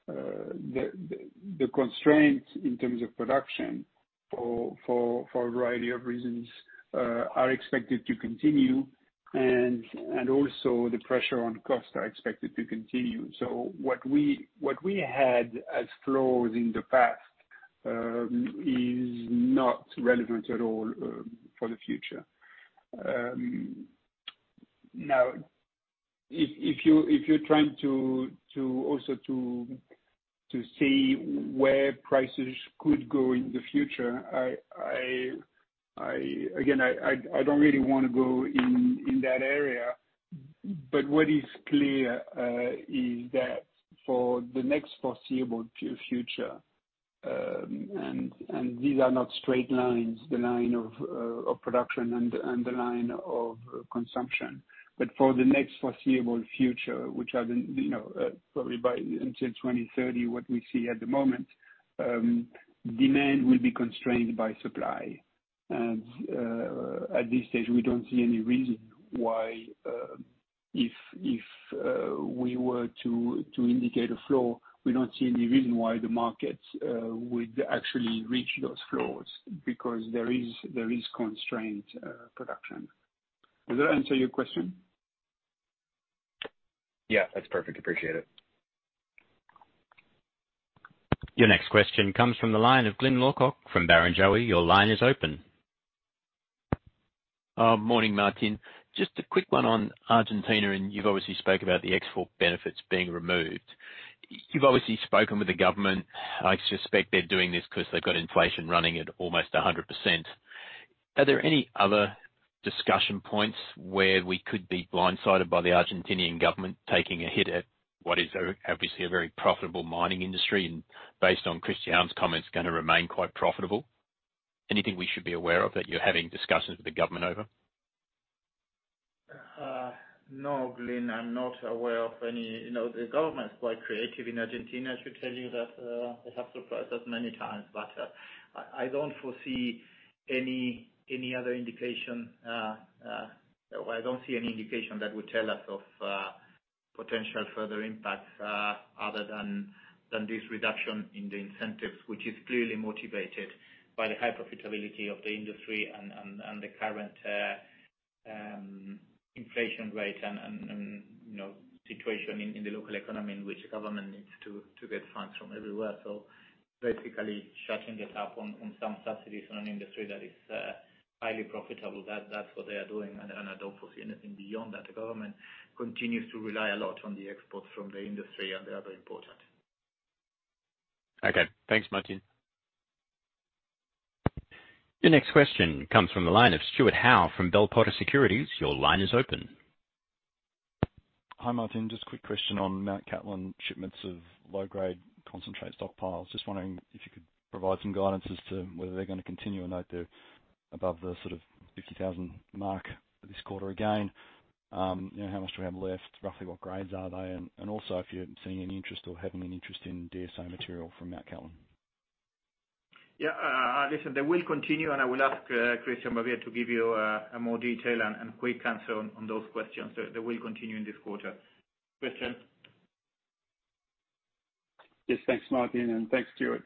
[SPEAKER 3] The constraints in terms of production for a variety of reasons are expected to continue and also the pressure on costs are expected to continue. What we had as flows in the past.
[SPEAKER 2] is not relevant at all for the future. Now if you're trying to also to see where prices could go in the future, Again, I don't really wanna go in that area. What is clear is that for the next foreseeable future, and these are not straight lines, the line of production and the line of consumption. For the next foreseeable future, which are the, you know, probably by until 2030, what we see at the moment, demand will be constrained by supply. At this stage, we don't see any reason why, if we were to indicate a flow, we don't see any reason why the markets would actually reach those flows because there is constrained production. Does that answer your question?
[SPEAKER 3] Yeah, that's perfect. Appreciate it.
[SPEAKER 1] Your next question comes from the line of Glyn Lawcock from Barrenjoey. Your line is open.
[SPEAKER 19] Morning, Martin. Just a quick one on Argentina, and you've obviously spoke about the export benefits being removed. You've obviously spoken with the government. I suspect they're doing this 'cause they've got inflation running at almost 100%. Are there any other discussion points where we could be blindsided by the Argentinian government taking a hit at what is a obviously a very profitable mining industry and based on Christian's comments, gonna remain quite profitable? Anything we should be aware of that you're having discussions with the government over?
[SPEAKER 2] No, Glyn, I'm not aware of any. You know, the government's quite creative in Argentina to tell you that they have surprised us many times. I don't foresee any other indication. Well, I don't see any indication that would tell us of potential further impacts other than this reduction in the incentives, which is clearly motivated by the high profitability of the industry and the current inflation rate and, you know, situation in the local economy in which the government needs to get funds from everywhere. Basically shutting this up on some subsidies on an industry that is highly profitable, that's what they are doing. I don't foresee anything beyond that. The government continues to rely a lot on the exports from the industry, and they are very important.
[SPEAKER 19] Okay. Thanks, Martín.
[SPEAKER 1] Your next question comes from the line of Stuart Howe from Bell Potter Securities. Your line is open.
[SPEAKER 20] Hi, Martín. Just a quick question on Mt Cattlin shipments of low-grade concentrate stockpiles. Just wondering if you could provide some guidance as to whether they're gonna continue or not? They're above the sort of 50,000 mark this quarter again. you know, how much do we have left? Roughly what grades are they? Also, if you're seeing any interest or having any interest in DSO material from Mt Cattlin?
[SPEAKER 2] Yeah. Listen, they will continue, I will ask Christian Barbier to give you a more detail and quick answer on those questions. They will continue in this quarter. Christian?
[SPEAKER 3] Yes. Thanks, Martín, and thanks, Stuart.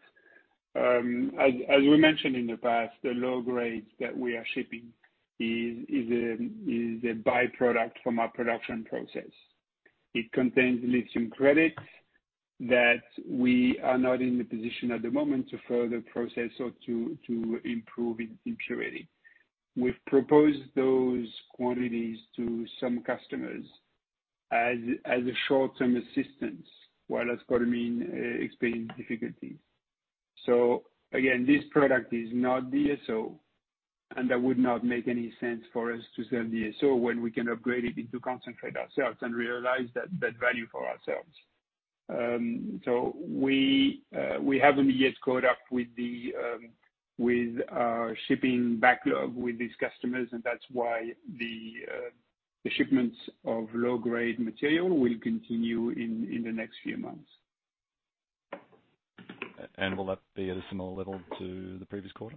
[SPEAKER 3] As we mentioned in the past, the low grades that we are shipping is a by-product from our production process. It contains Lithium credits that we are not in the position at the moment to further process or to improve its impurity. We've proposed those quantities to some customers as a short-term assistance, while that's got to mean experience difficulties. Again, this product is not DSO, and that would not make any sense for us to sell DSO when we can upgrade it into concentrate ourselves and realize that value for ourselves. We haven't yet caught up with the with our shipping backlog with these customers, and that's why the shipments of low-grade material will continue in the next few months.
[SPEAKER 20] will that be at a similar level to the previous quarter?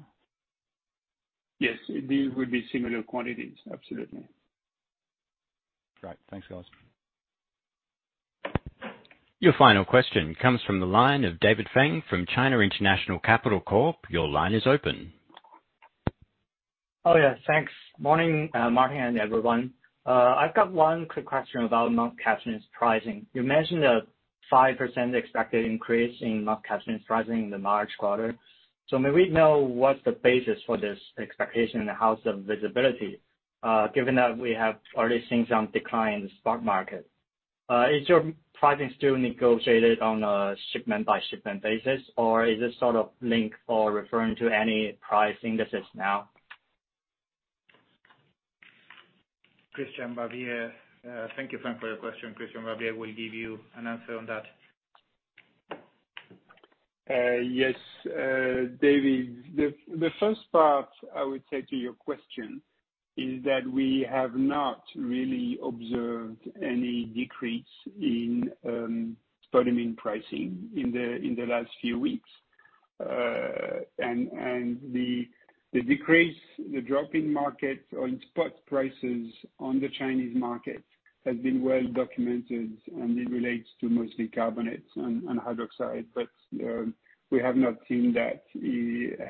[SPEAKER 3] Yes, these will be similar quantities, absolutely.
[SPEAKER 20] Great. Thanks, guys.
[SPEAKER 1] Your final question comes from the line of David Feng from China International Capital Corporation. Your line is open.
[SPEAKER 21] Oh, yes. Thanks. Morning, Martine and everyone. I've got one quick question about Mt Cattlin's pricing. You mentioned a 5% expected increase in Mt Cattlin's pricing in the March quarter. May we know what's the basis for this expectation in the house of visibility, given that we have already seen some decline in the stock market? Is your pricing still negotiated on a shipment by shipment basis, or is this sort of linked or referring to any price indices now?
[SPEAKER 2] Christian Barbier. Thank you, Frank, for your question. Christian Barbier will give you an answer on that.
[SPEAKER 3] Yes, David. The first part I would say to your question is that we have not really observed any decrease in spodumene pricing in the last few weeks. The decrease, the drop in market or in spot prices on the Chinese market has been well documented, and it relates to mostly carbonates and hydroxide. We have not seen that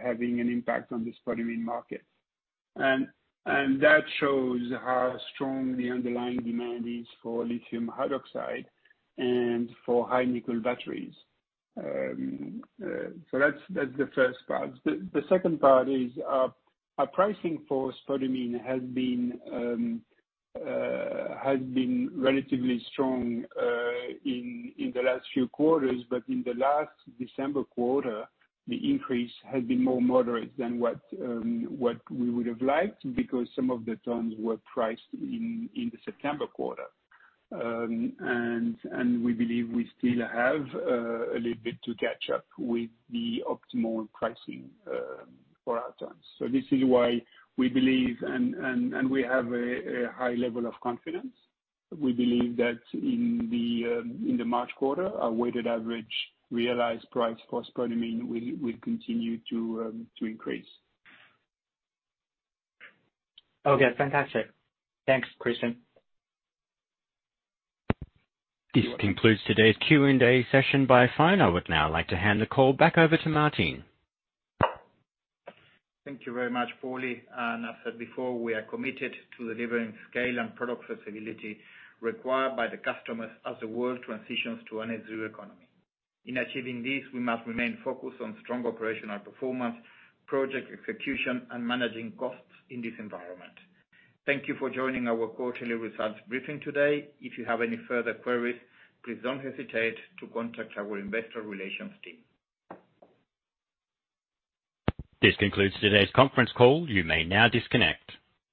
[SPEAKER 3] having an impact on the spodumene market. That shows how strong the underlying demand is for Lithium hydroxide and for high nickel batteries. That's the first part. The second part is, our pricing for spodumene has been relatively strong in the last few quarters. In the last December quarter, the increase has been more moderate than what we would have liked because some of the tons were priced in the September quarter. And we believe we still have a little bit to catch up with the optimal pricing for our tons. This is why we believe and we have a high level of confidence. We believe that in the March quarter, our weighted average realized price for spodumene will continue to increase.
[SPEAKER 21] Okay. Fantastic. Thanks, Christian.
[SPEAKER 1] This concludes today's Q&A session by phone. I would now like to hand the call back over to Martin.
[SPEAKER 2] Thank you very much, Paulie. As I said before, we are committed to delivering scale and product flexibility required by the customers as the world transitions to a net zero economy. In achieving this, we must remain focused on strong operational performance, project execution, and managing costs in this environment. Thank you for joining our quarterly results briefing today. If you have any further queries, please don't hesitate to contact our investor relations team.
[SPEAKER 1] This concludes today's conference call. You may now disconnect.